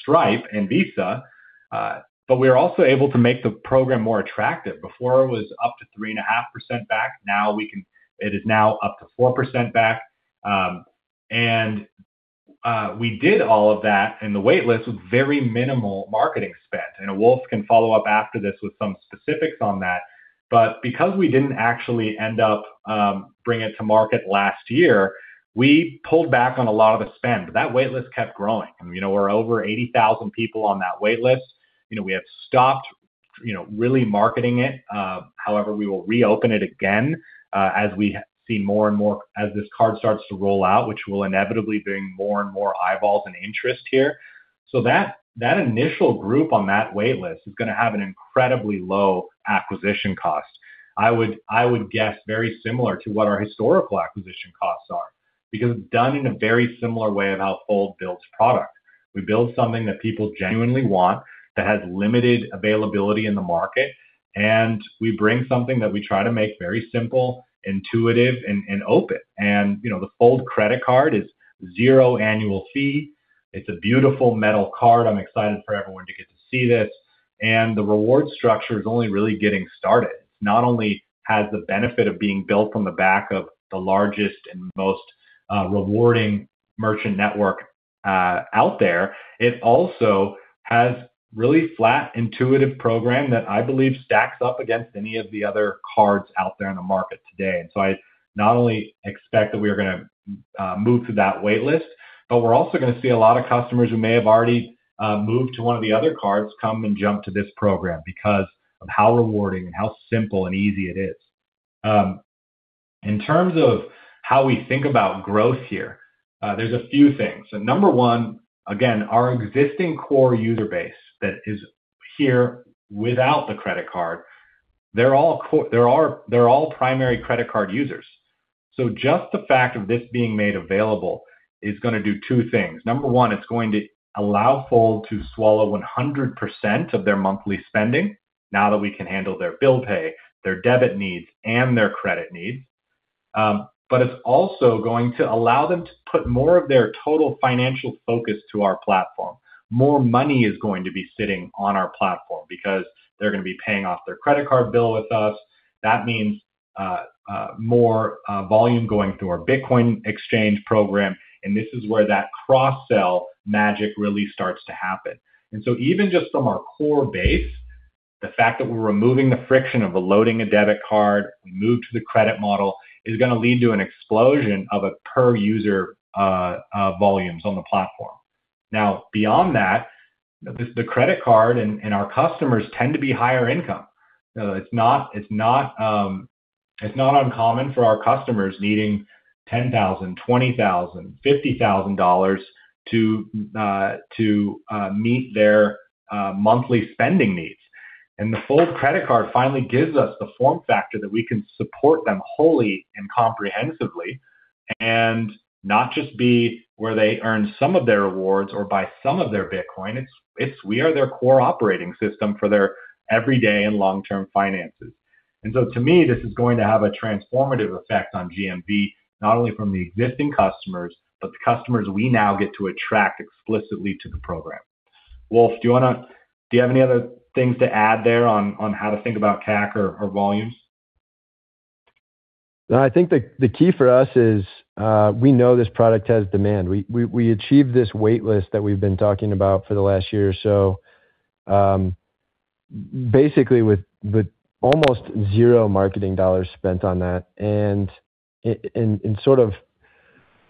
Stripe and Visa, but we are also able to make the program more attractive. Before it was up to 3.5% back, it is now up to 4% back. We did all of that in the wait list with very minimal marketing spend. Wolfe can follow up after this with some specifics on that. Because we didn't actually end up bringing to market last year, we pulled back on a lot of the spend. That wait list kept growing. I mean, you know, we're over 80,000 people on that wait list. You know, we have stopped, you know, really marketing it. However, we will reopen it again as we see more and more as this card starts to roll out, which will inevitably bring more and more eyeballs and interest here. That initial group on that wait list is gonna have an incredibly low acquisition cost. I would guess very similar to what our historical acquisition costs are, because it's done in a very similar way of how Fold builds product. We build something that people genuinely want, that has limited availability in the market, and we bring something that we try to make very simple, intuitive, and open. You know, the Fold Credit Card is zero annual fee. It's a beautiful metal card. I'm excited for everyone to get to see this. The reward structure is only really getting started. It not only has the benefit of being built on the back of the largest and most rewarding merchant network out there, it also has really flat, intuitive program that I believe stacks up against any of the other cards out there in the market today. I not only expect that we are gonna move through that wait list, but we're also gonna see a lot of customers who may have already moved to one of the other cards come and jump to this program because of how rewarding and how simple and easy it is. In terms of how we think about growth here, there's a few things. Number one, again, our existing core user base that is here without the Credit Card, they're all primary Credit Card users. Just the fact of this being made available is gonna do two things. Number one, it's going to allow Fold to swallow 100% of their monthly spending now that we can handle their bill pay, their debit needs, and their credit needs. It's also going to allow them to put more of their total financial focus to our platform. More money is going to be sitting on our platform because they're gonna be paying off their Credit Card bill with us. That means, more volume going through our Bitcoin exchange program, and this is where that cross-sell magic really starts to happen. Even just from our core base, the fact that we're removing the friction of loading a Debit Card, we move to the credit model, is gonna lead to an explosion of a per user volumes on the platform. Now, beyond that, the Credit Card and our customers tend to be higher income. It's not uncommon for our customers needing $10,000, $20,000, $50,000 to meet their monthly spending needs. The Fold Credit Card finally gives us the form factor that we can support them wholly and comprehensively, and not just be where they earn some of their rewards or buy some of their Bitcoin. We are their core operating system for their everyday and long-term finances. To me, this is going to have a transformative effect on GMV, not only from the existing customers, but the customers we now get to attract explicitly to the program. Wolfe, do you have any other things to add there on how to think about CAC or volumes? No, I think the key for us is we know this product has demand. We achieved this wait list that we've been talking about for the last year or so, basically with almost zero marketing dollars spent on that. In sort of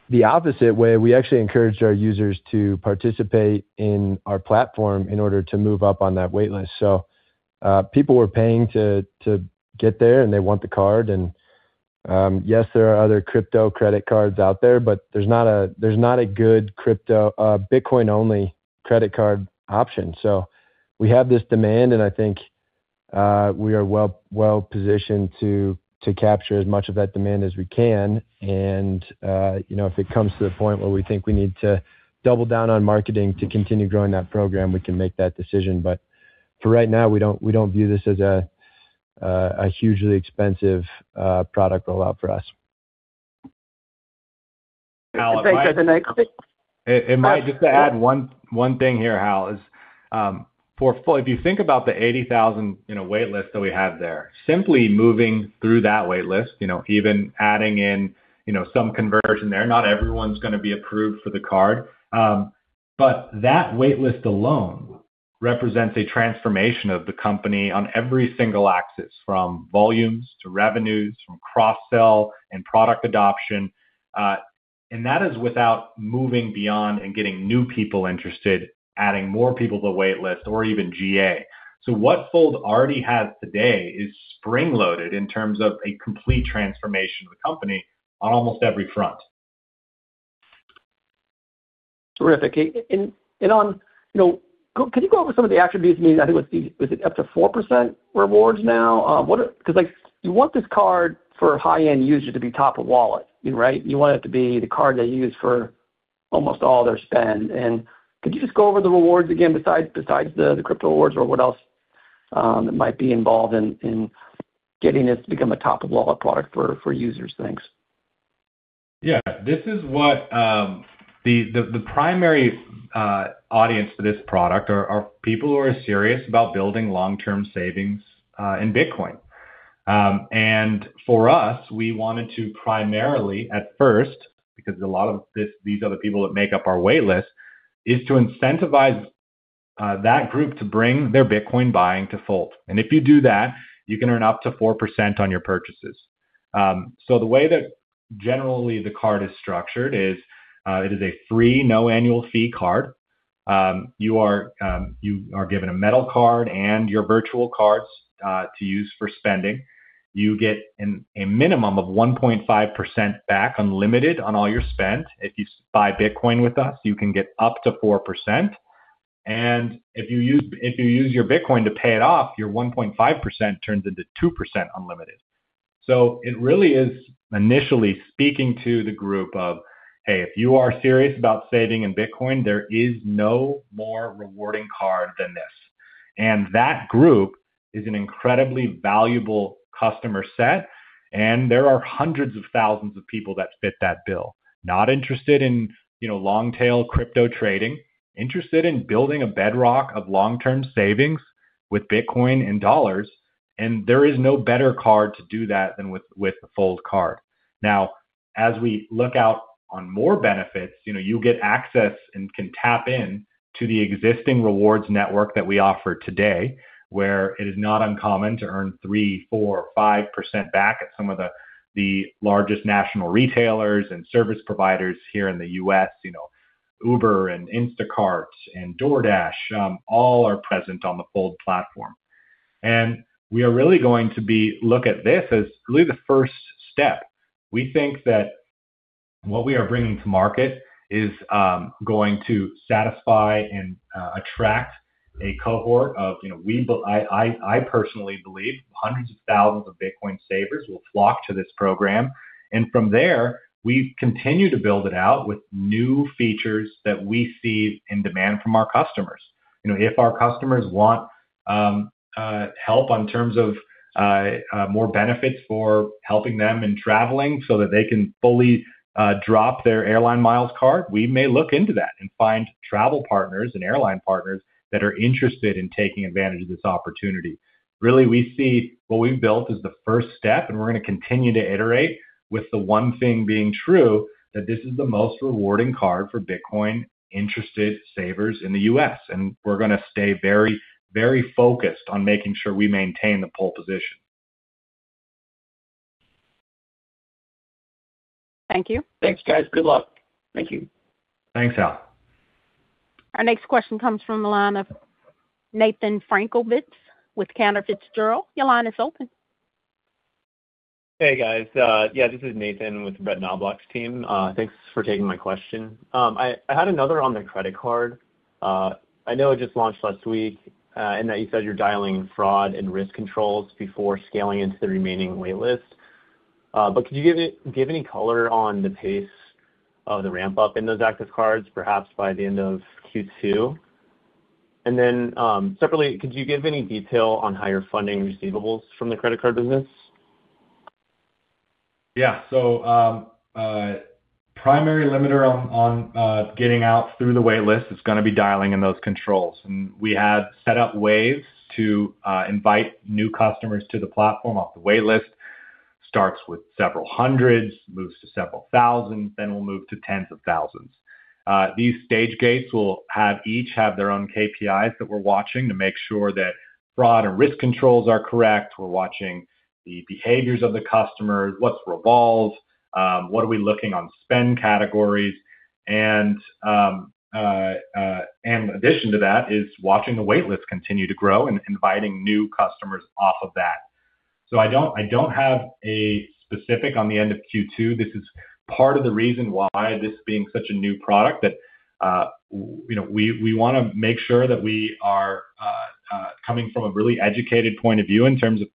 the opposite way, we actually encouraged our users to participate in our platform in order to move up on that wait list. People were paying to get there, and they want the card. Yes, there are other crypto Credit Cards out there, but there's not a good crypto Bitcoin-only Credit Card option. We have this demand, and I think we are well-positioned to capture as much of that demand as we can. You know, if it comes to the point where we think we need to double down on marketing to continue growing that program, we can make that decision. But for right now, we don't view this as a hugely expensive product rollout for us. Hal, just to add one thing here, Hal. For Fold, if you think about the 80,000, you know, wait list that we have there, simply moving through that wait list, you know, even adding in, you know, some conversion there, not everyone's gonna be approved for the card. But that wait list alone represents a transformation of the company on every single axis, from volumes to revenues, from cross-sell and product adoption. That is without moving beyond and getting new people interested, adding more people to the wait list or even GA. What Fold already has today is spring-loaded in terms of a complete transformation of the company on almost every front. Terrific. You know, could you go over some of the attributes? I mean, I think is it up to 4% rewards now? 'Cause like you want this card for a high-end user to be top of wallet, right? You want it to be the card they use for almost all their spend. Could you just go over the rewards again besides the crypto rewards or what else that might be involved in getting this to become a top of wallet product for users? Thanks. Yeah. This is what the primary audience for this product are people who are serious about building long-term savings in Bitcoin. For us, we wanted to primarily at first, because these are the people that make up our wait list, is to incentivize that group to bring their Bitcoin buying to Fold. If you do that, you can earn up to 4% on your purchases. The way that generally the card is structured is it is a free no annual fee card. You are given a metal card and your virtual cards to use for spending. You get a minimum of 1.5% back unlimited on all your spend. If you buy Bitcoin with us, you can get up to 4%. If you use your Bitcoin to pay it off, your 1.5% turns into 2% unlimited. It really is initially speaking to the group of, "Hey, if you are serious about saving in Bitcoin, there is no more rewarding card than this." That group is an incredibly valuable customer set, and there are hundreds of thousands of people that fit that bill. Not interested in, you know, long tail crypto trading, interested in building a bedrock of long-term savings with Bitcoin and dollars, and there is no better card to do that than with the Fold Card. Now, as we look out on more benefits, you know, you get access and can tap in to the existing rewards network that we offer today, where it is not uncommon to earn 3%, 4%, or 5% back at some of the largest national retailers and service providers here in the U.S., you know, Uber and Instacart and DoorDash all are present on the Fold platform. We are really going to look at this as really the first step. We think that what we are bringing to market is going to satisfy and attract a cohort of, you know, I personally believe hundreds of thousands of Bitcoin savers will flock to this program. From there, we continue to build it out with new features that we see in demand from our customers. You know, if our customers want help on terms of more benefits for helping them in traveling so that they can fully drop their airline miles card, we may look into that and find travel partners and airline partners that are interested in taking advantage of this opportunity. Really, we see, what we've built is the first step, and we're gonna continue to iterate with the one thing being true, that this is the most rewarding card for Bitcoin-interested savers in the U.S. We're gonna stay very, very focused on making sure we maintain the pole position. Thank you. Thanks, guys. Good luck. Thank you. Thanks, Hal. Our next question comes from the line of Nathan Frankovitz with Cantor Fitzgerald. Your line is open. Hey, guys. This is Nathan with the Brett Knoblauch's team. Thanks for taking my question. I had another on the Credit Card. I know it just launched last week, and that you said you're dialing fraud and risk controls before scaling into the remaining wait list. Could you give any color on the pace of the ramp-up in those active cards, perhaps by the end of Q2? Separately, could you give any detail on how funding receivables from the Credit Card business? Yeah. Primary limiter on getting out through the wait list is gonna be dialing in those controls. We have set up waves to invite new customers to the platform off the wait list, starts with several hundreds, moves to several thousands, then we'll move to tens of thousands. These stage gates will each have their own KPIs that we're watching to make sure that fraud and risk controls are correct. We're watching the behaviors of the customers. What's revolves? What are we looking on spend categories? In addition to that is watching the wait list continue to grow and inviting new customers off of that. I don't have a specific on the end of Q2. This is part of the reason why this being such a new product that, you know, we wanna make sure that we are coming from a really educated point of view in terms of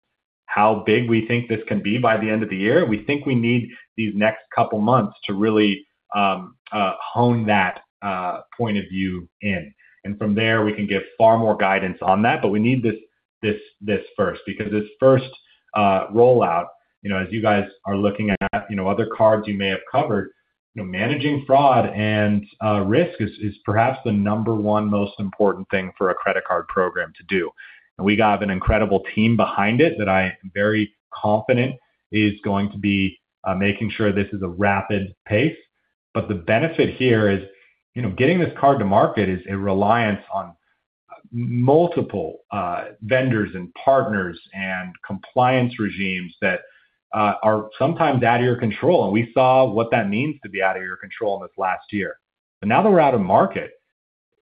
how big we think this can be by the end of the year. We think we need these next couple months to really hone that point of view in. From there, we can give far more guidance on that. We need this first because this first rollout, you know, as you guys are looking at, you know, other cards you may have covered, you know, managing fraud and risk is perhaps the number one most important thing for a Credit Card program to do. We got an incredible team behind it that I am very confident is going to be making sure this is at a rapid pace. The benefit here is, you know, getting this card to market is reliant on multiple vendors and partners and compliance regimes that are sometimes out of your control. We saw what it means to be out of your control in this last year. Now that we're in market,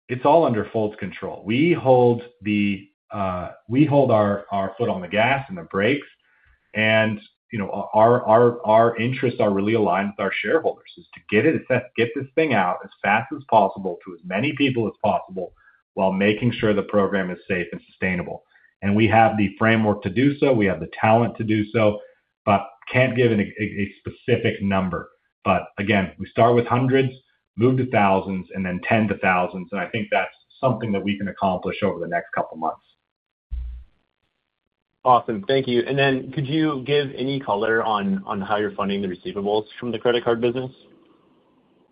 it's all under Fold's control. We hold our foot on the gas and the brakes and, you know, our interests are really aligned with our shareholders, which is to get this thing out as fast as possible to as many people as possible while making sure the program is safe and sustainable. We have the framework to do so. We have the talent to do so, but can't give any specific number. Again, we start with hundreds, move to thousands, and then tens of thousands. I think that's something that we can accomplish over the next couple of months. Awesome. Thank you. Could you give any color on how you're funding the receivables from the Credit Card business?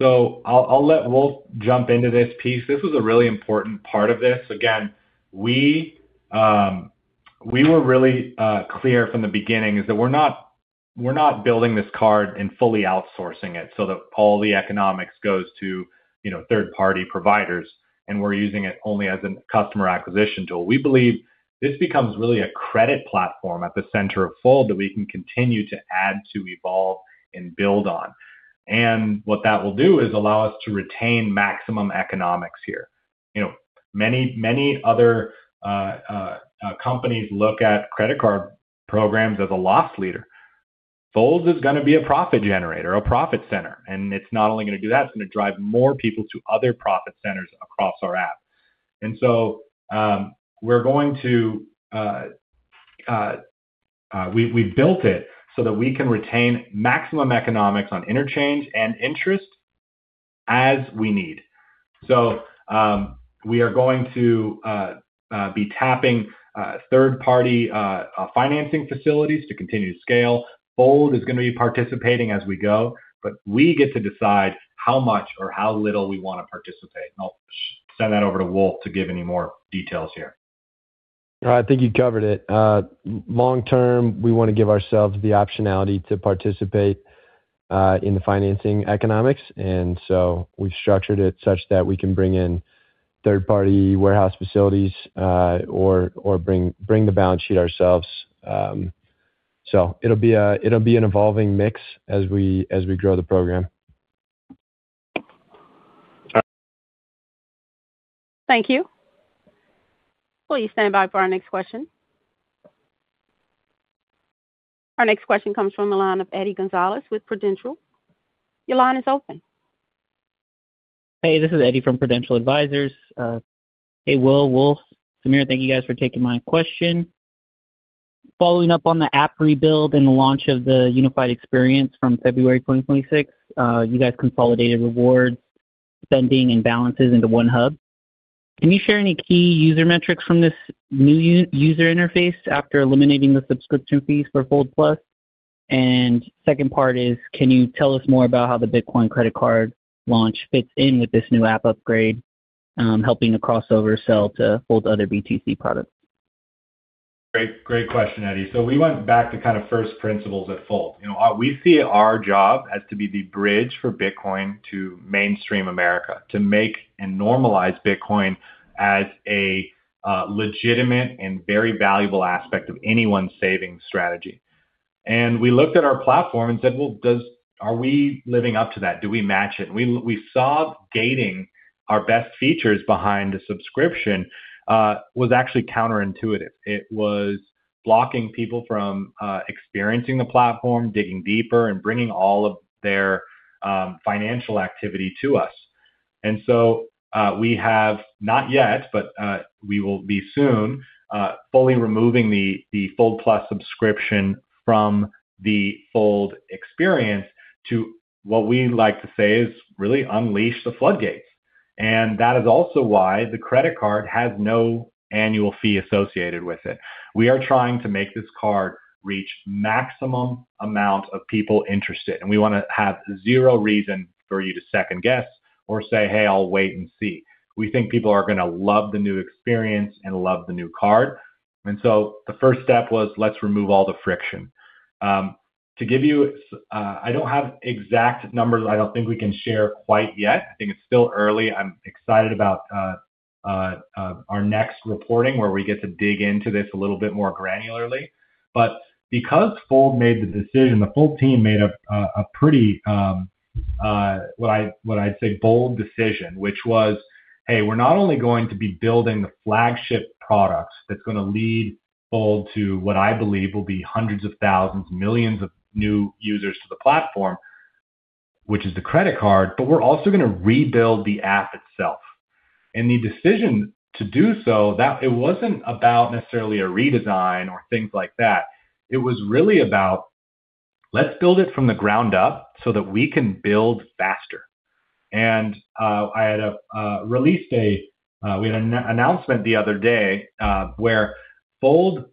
I'll let Wolfe jump into this piece. This was a really important part of this. Again, we were really clear from the beginning is that we're not building this card and fully outsourcing it so that all the economics goes to, you know, third-party providers, and we're using it only as a customer acquisition tool. We believe this becomes really a credit platform at the center of Fold that we can continue to add, to evolve and build on. What that will do is allow us to retain maximum economics here. You know, many other companies look at Credit Card programs as a loss leader. Fold's is gonna be a profit generator, a profit center, and it's not only gonna do that, it's gonna drive more people to other profit centers across our app. We built it so that we can retain maximum economics on interchange and interest as we need. We are going to be tapping third-party financing facilities to continue to scale. Fold is gonna be participating as we go, but we get to decide how much or how little we wanna participate. I'll send that over to Wolfe to give any more details here. I think you covered it. Long-term, we wanna give ourselves the optionality to participate in the financing economics. We've structured it such that we can bring in third-party warehouse facilities or bring the balance sheet ourselves. It'll be an evolving mix as we grow the program. All right. Thank you. Please stand by for our next question. Our next question comes from the line of Eddie Gonzalez with Prudential. Your line is open. Hey, this is Eddie from Prudential Advisors. Hey, Will, Wolfe, Samir, thank you guys for taking my question. Following up on the app rebuild and the launch of the unified experience from February 2026, you guys consolidated rewards, spending, and balances into one hub. Can you share any key user metrics from this new user interface after eliminating the subscription fees for Fold+? Second part is, can you tell us more about how the Bitcoin Credit Card launch fits in with this new app upgrade, helping the crossover sell to Fold's other BTC products? Great. Great question, Eddie. We went back to kind of first principles at Fold. You know, we see our job as to be the bridge for Bitcoin to mainstream America, to make and normalize Bitcoin as a legitimate and very valuable aspect of anyone's savings strategy. We looked at our platform and said, "Well, are we living up to that? Do we match it?" We saw gating our best features behind a subscription was actually counterintuitive. It was blocking people from experiencing the platform, digging deeper and bringing all of their financial activity to us. We have not yet, but we will be soon fully removing the Fold+ subscription from the Fold experience to what we like to say is really unleash the floodgates. That is also why the Credit Card has no annual fee associated with it. We are trying to make this card reach maximum amount of people interested, and we wanna have zero reason for you to second-guess or say, "Hey, I'll wait and see." We think people are gonna love the new experience and love the new card. The first step was let's remove all the friction. To give you, I don't have exact numbers, I don't think we can share quite yet. I think it's still early. I'm excited about our next reporting, where we get to dig into this a little bit more granularly. Because Fold made the decision, the Fold team made a pretty, what I'd say bold decision, which was, hey, we're not only going to be building the flagship products that's gonna lead Fold to what I believe will be hundreds of thousands, millions of new users to the platform, which is the Credit Card, but we're also gonna rebuild the app itself. The decision to do so, it wasn't about necessarily a redesign or things like that. It was really about, let's build it from the ground up so that we can build faster. I had a release date. We had an announcement the other day, where Fold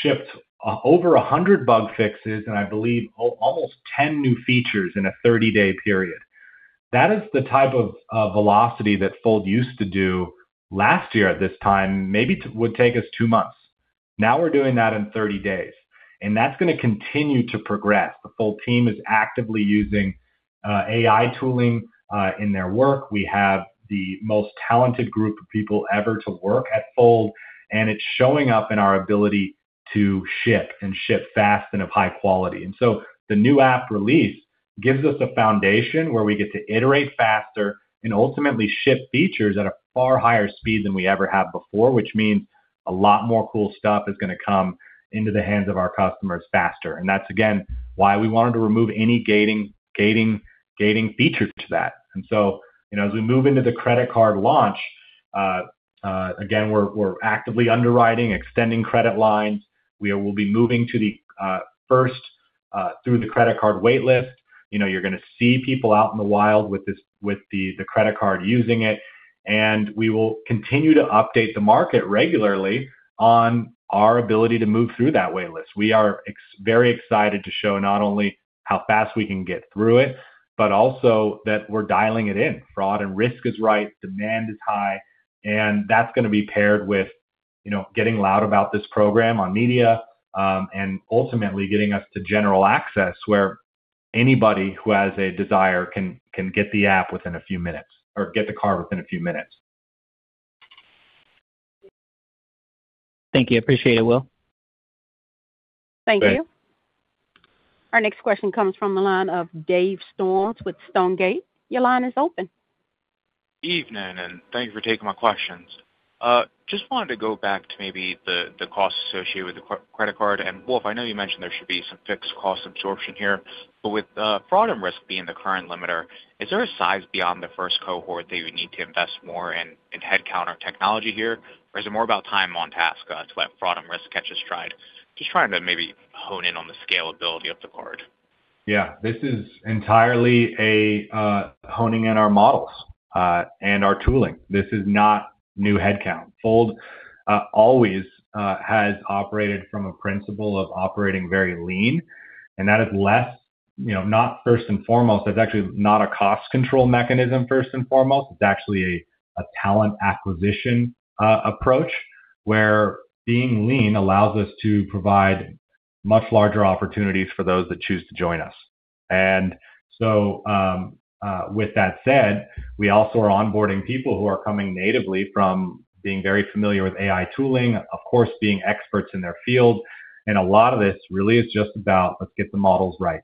shipped over 100 bug fixes, and I believe almost 10 new features in a 30-day period. That is the type of velocity that Fold used to do last year at this time, maybe would take us two months. Now we're doing that in 30 days, and that's gonna continue to progress. The Fold team is actively using AI tooling in their work. We have the most talented group of people ever to work at Fold, and it's showing up in our ability to ship and ship fast and of high quality. The new app release gives us a foundation where we get to iterate faster and ultimately ship features at a far higher speed than we ever have before, which means a lot more cool stuff is gonna come into the hands of our customers faster. That's again why we wanted to remove any gating features to that. You know, as we move into the Credit Card launch, again, we're actively underwriting, extending credit lines. We will be moving through the Credit Card wait list. You know, you're gonna see people out in the wild with the Credit Card using it. We will continue to update the market regularly on our ability to move through that wait list. We are very excited to show not only how fast we can get through it, but also that we're dialing it in. Fraud and risk is right, demand is high, and that's gonna be paired with, you know, getting loud about this program on media, and ultimately getting us to general access, where anybody who has a desire can get the app within a few minutes or get the card within a few minutes. Thank you. Appreciate it, Will. Great. Thank you. Our next question comes from the line of Dave Storms with Stonegate. Your line is open. Evening, and thank you for taking my questions. Just wanted to go back to maybe the costs associated with the Credit Card. Wolfe, I know you mentioned there should be some fixed cost absorption here, but with fraud and risk being the current limiter, is there a size beyond the first cohort that you would need to invest more in headcount or technology here? Or is it more about time on task to let fraud and risk catch its stride? Just trying to maybe hone in on the scalability of the card. Yeah. This is entirely a honing in our models and our tooling. This is not new headcount. Fold always has operated from a principle of operating very lean, and that is less, you know, not first and foremost, that's actually not a cost control mechanism first and foremost. It's actually a talent acquisition approach, where being lean allows us to provide much larger opportunities for those that choose to join us. With that said, we also are onboarding people who are coming natively from being very familiar with AI tooling, of course, being experts in their field. A lot of this really is just about let's get the models right.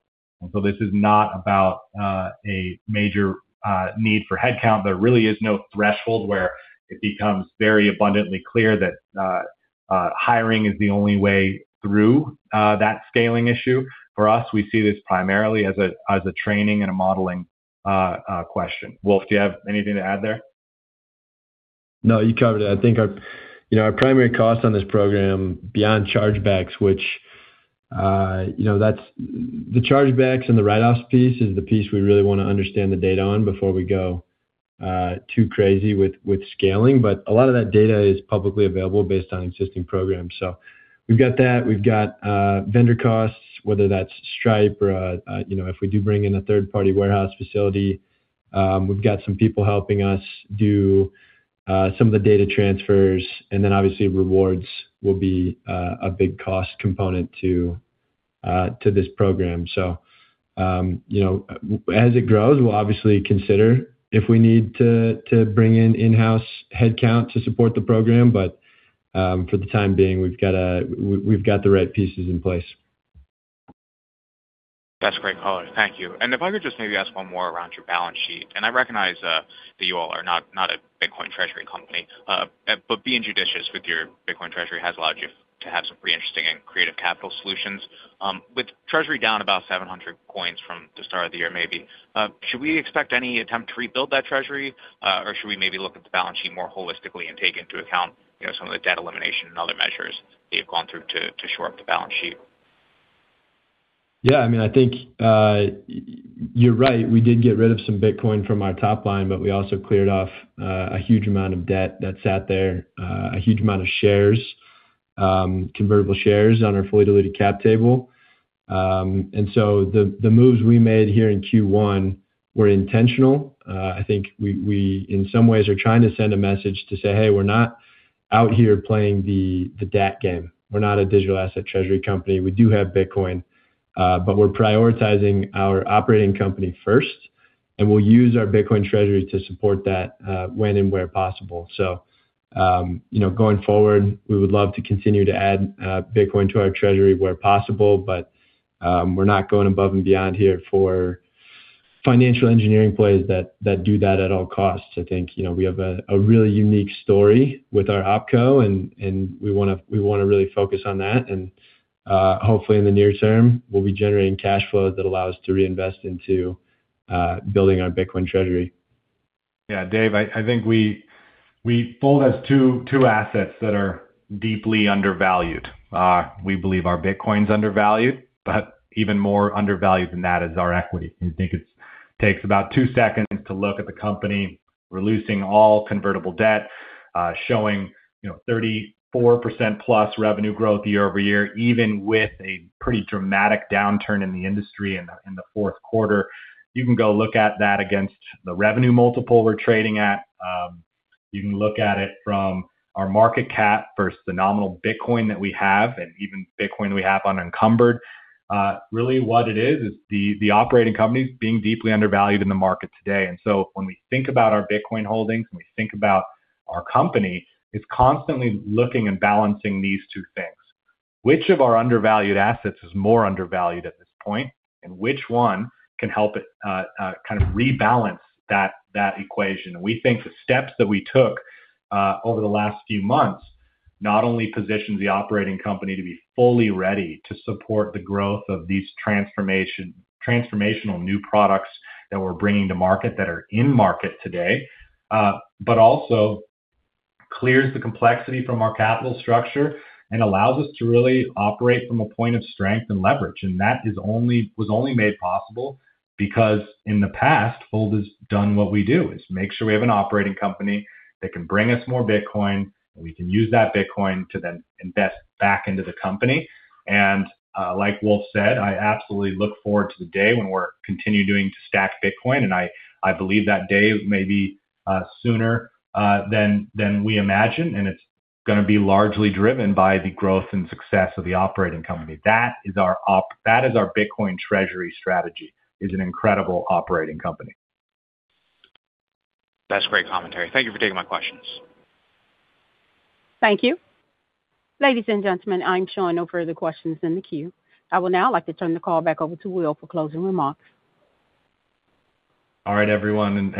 This is not about a major need for headcount. There really is no threshold where it becomes very abundantly clear that hiring is the only way through that scaling issue. For us, we see this primarily as a training and a modeling question. Wolfe, do you have anything to add there? No, you covered it. I think our, you know, our primary cost on this program beyond chargebacks, which you know, the chargebacks and the write-offs piece is the piece we really wanna understand the data on before we go too crazy with scaling. A lot of that data is publicly available based on existing programs. We've got that. We've got vendor costs, whether that's Stripe or you know, if we do bring in a third-party warehouse facility. We've got some people helping us do some of the data transfers, and then obviously rewards will be a big cost component to this program. You know, as it grows, we'll obviously consider if we need to bring in in-house headcount to support the program. For the time being, we've got the right pieces in place. That's great color. Thank you. If I could just maybe ask one more around your balance sheet, and I recognize that you all are not a Bitcoin treasury company. But being judicious with your Bitcoin treasury has allowed you to have some pretty interesting and creative capital solutions. With treasury down about 700 coins from the start of the year maybe, should we expect any attempt to rebuild that treasury, or should we maybe look at the balance sheet more holistically and take into account, you know, some of the debt elimination and other measures that you've gone through to shore up the balance sheet? Yeah. I mean, I think you're right. We did get rid of some Bitcoin from our top line, but we also cleared off a huge amount of debt that sat there, a huge amount of shares, convertible shares on our fully diluted cap table. The moves we made here in Q1 were intentional. I think we in some ways are trying to send a message to say, "Hey, we're not out here playing the DAT game. We're not a digital asset treasury company. We do have Bitcoin, but we're prioritizing our operating company first, and we'll use our Bitcoin treasury to support that, when and where possible." You know, going forward, we would love to continue to add Bitcoin to our treasury where possible, but we're not going above and beyond here for financial engineering plays that do that at all costs. I think, you know, we have a really unique story with our OpCo, and we wanna really focus on that. Hopefully in the near term, we'll be generating cash flow that allow us to reinvest into building our Bitcoin treasury. Yeah. Dave, I think we— Fold has two assets that are deeply undervalued. We believe our Bitcoin's undervalued, but even more undervalued than that is our equity. We think it takes about two seconds to look at the company. We're losing all convertible debt, showing you know 34%+ revenue growth year-over-year, even with a pretty dramatic downturn in the industry in the fourth quarter. You can go look at that against the revenue multiple we're trading at. You can look at it from our market cap versus the nominal Bitcoin that we have and even Bitcoin we have unencumbered. Really what it is is the operating company is being deeply undervalued in the market today. When we think about our Bitcoin holdings and we think about our company, it's constantly looking and balancing these two things. Which of our undervalued assets is more undervalued at this point, and which one can help kind of rebalance that equation? We think the steps that we took over the last few months not only positions the operating company to be fully ready to support the growth of these transformational new products that we're bringing to market that are in market today, but also clears the complexity from our capital structure and allows us to really operate from a point of strength and leverage. That was only made possible because in the past, Fold has done what we do, is make sure we have an operating company that can bring us more Bitcoin, and we can use that Bitcoin to then invest back into the company. Like Wolfe said, I absolutely look forward to the day when we're continuing to stack Bitcoin. I believe that day may be sooner than we imagine, and it's gonna be largely driven by the growth and success of the operating company. That is our Bitcoin treasury strategy, is an incredible operating company. That's great commentary. Thank you for taking my questions. Thank you. Ladies and gentlemen, I'm showing no further questions in the queue. I would now like to turn the call back over to Will for closing remarks. All right, everyone.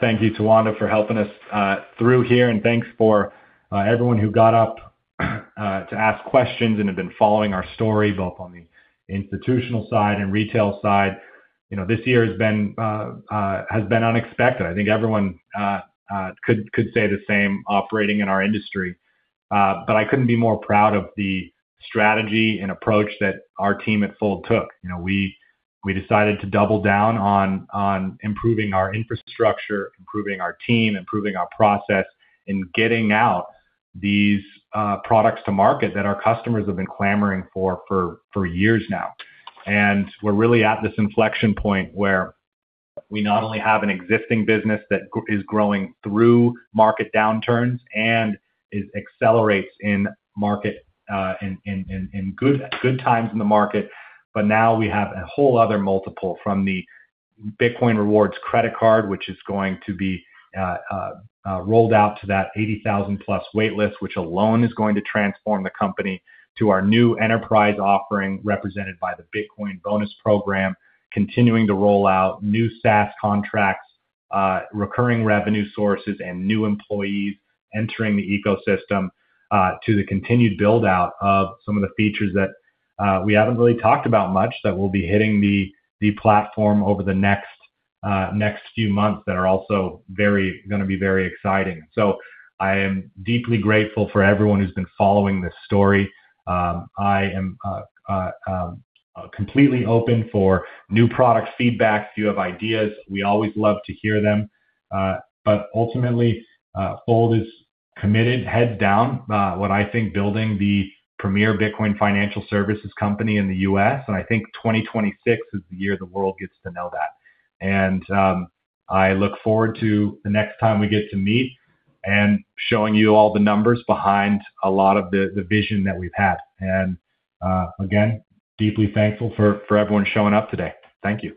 Thank you, Tawanda, for helping us through here. Thanks to everyone who got up to ask questions and have been following our stories both on the institutional side and retail side. You know, this year has been unexpected. I think everyone could say the same operating in our industry. I couldn't be more proud of the strategy and approach that our team at Fold took. You know, we decided to double down on improving our infrastructure, improving our team, improving our process in getting out these products to market that our customers have been clamoring for years now. We're really at this inflection point where we not only have an existing business that is growing through market downturns and it accelerates in the market in good times in the market. Now we have a whole other multiple from the Bitcoin rewards Credit Card, which is going to be rolled out to that 80,000+ wait list, which alone is going to transform the company to our new enterprise offering represented by the Bitcoin bonus program, continuing to roll out new SaaS contracts, recurring revenue sources, and new employees entering the ecosystem, to the continued build-out of some of the features that we haven't really talked about much that will be hitting the platform over the next few months that are also gonna be very exciting. I am deeply grateful for everyone who's been following this story. I am completely open for new product feedback. If you have ideas, we always love to hear them. But ultimately, Fold is committed heads down, what I think building the premier Bitcoin financial services company in the U.S., and I think 2026 is the year the world gets to know that. I look forward to the next time we get to meet and showing you all the numbers behind a lot of the vision that we've had. Again, deeply thankful for everyone showing up today. Thank you.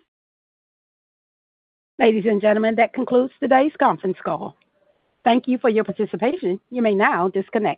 Ladies and gentlemen, that concludes today's conference call. Thank you for your participation. You may now disconnect.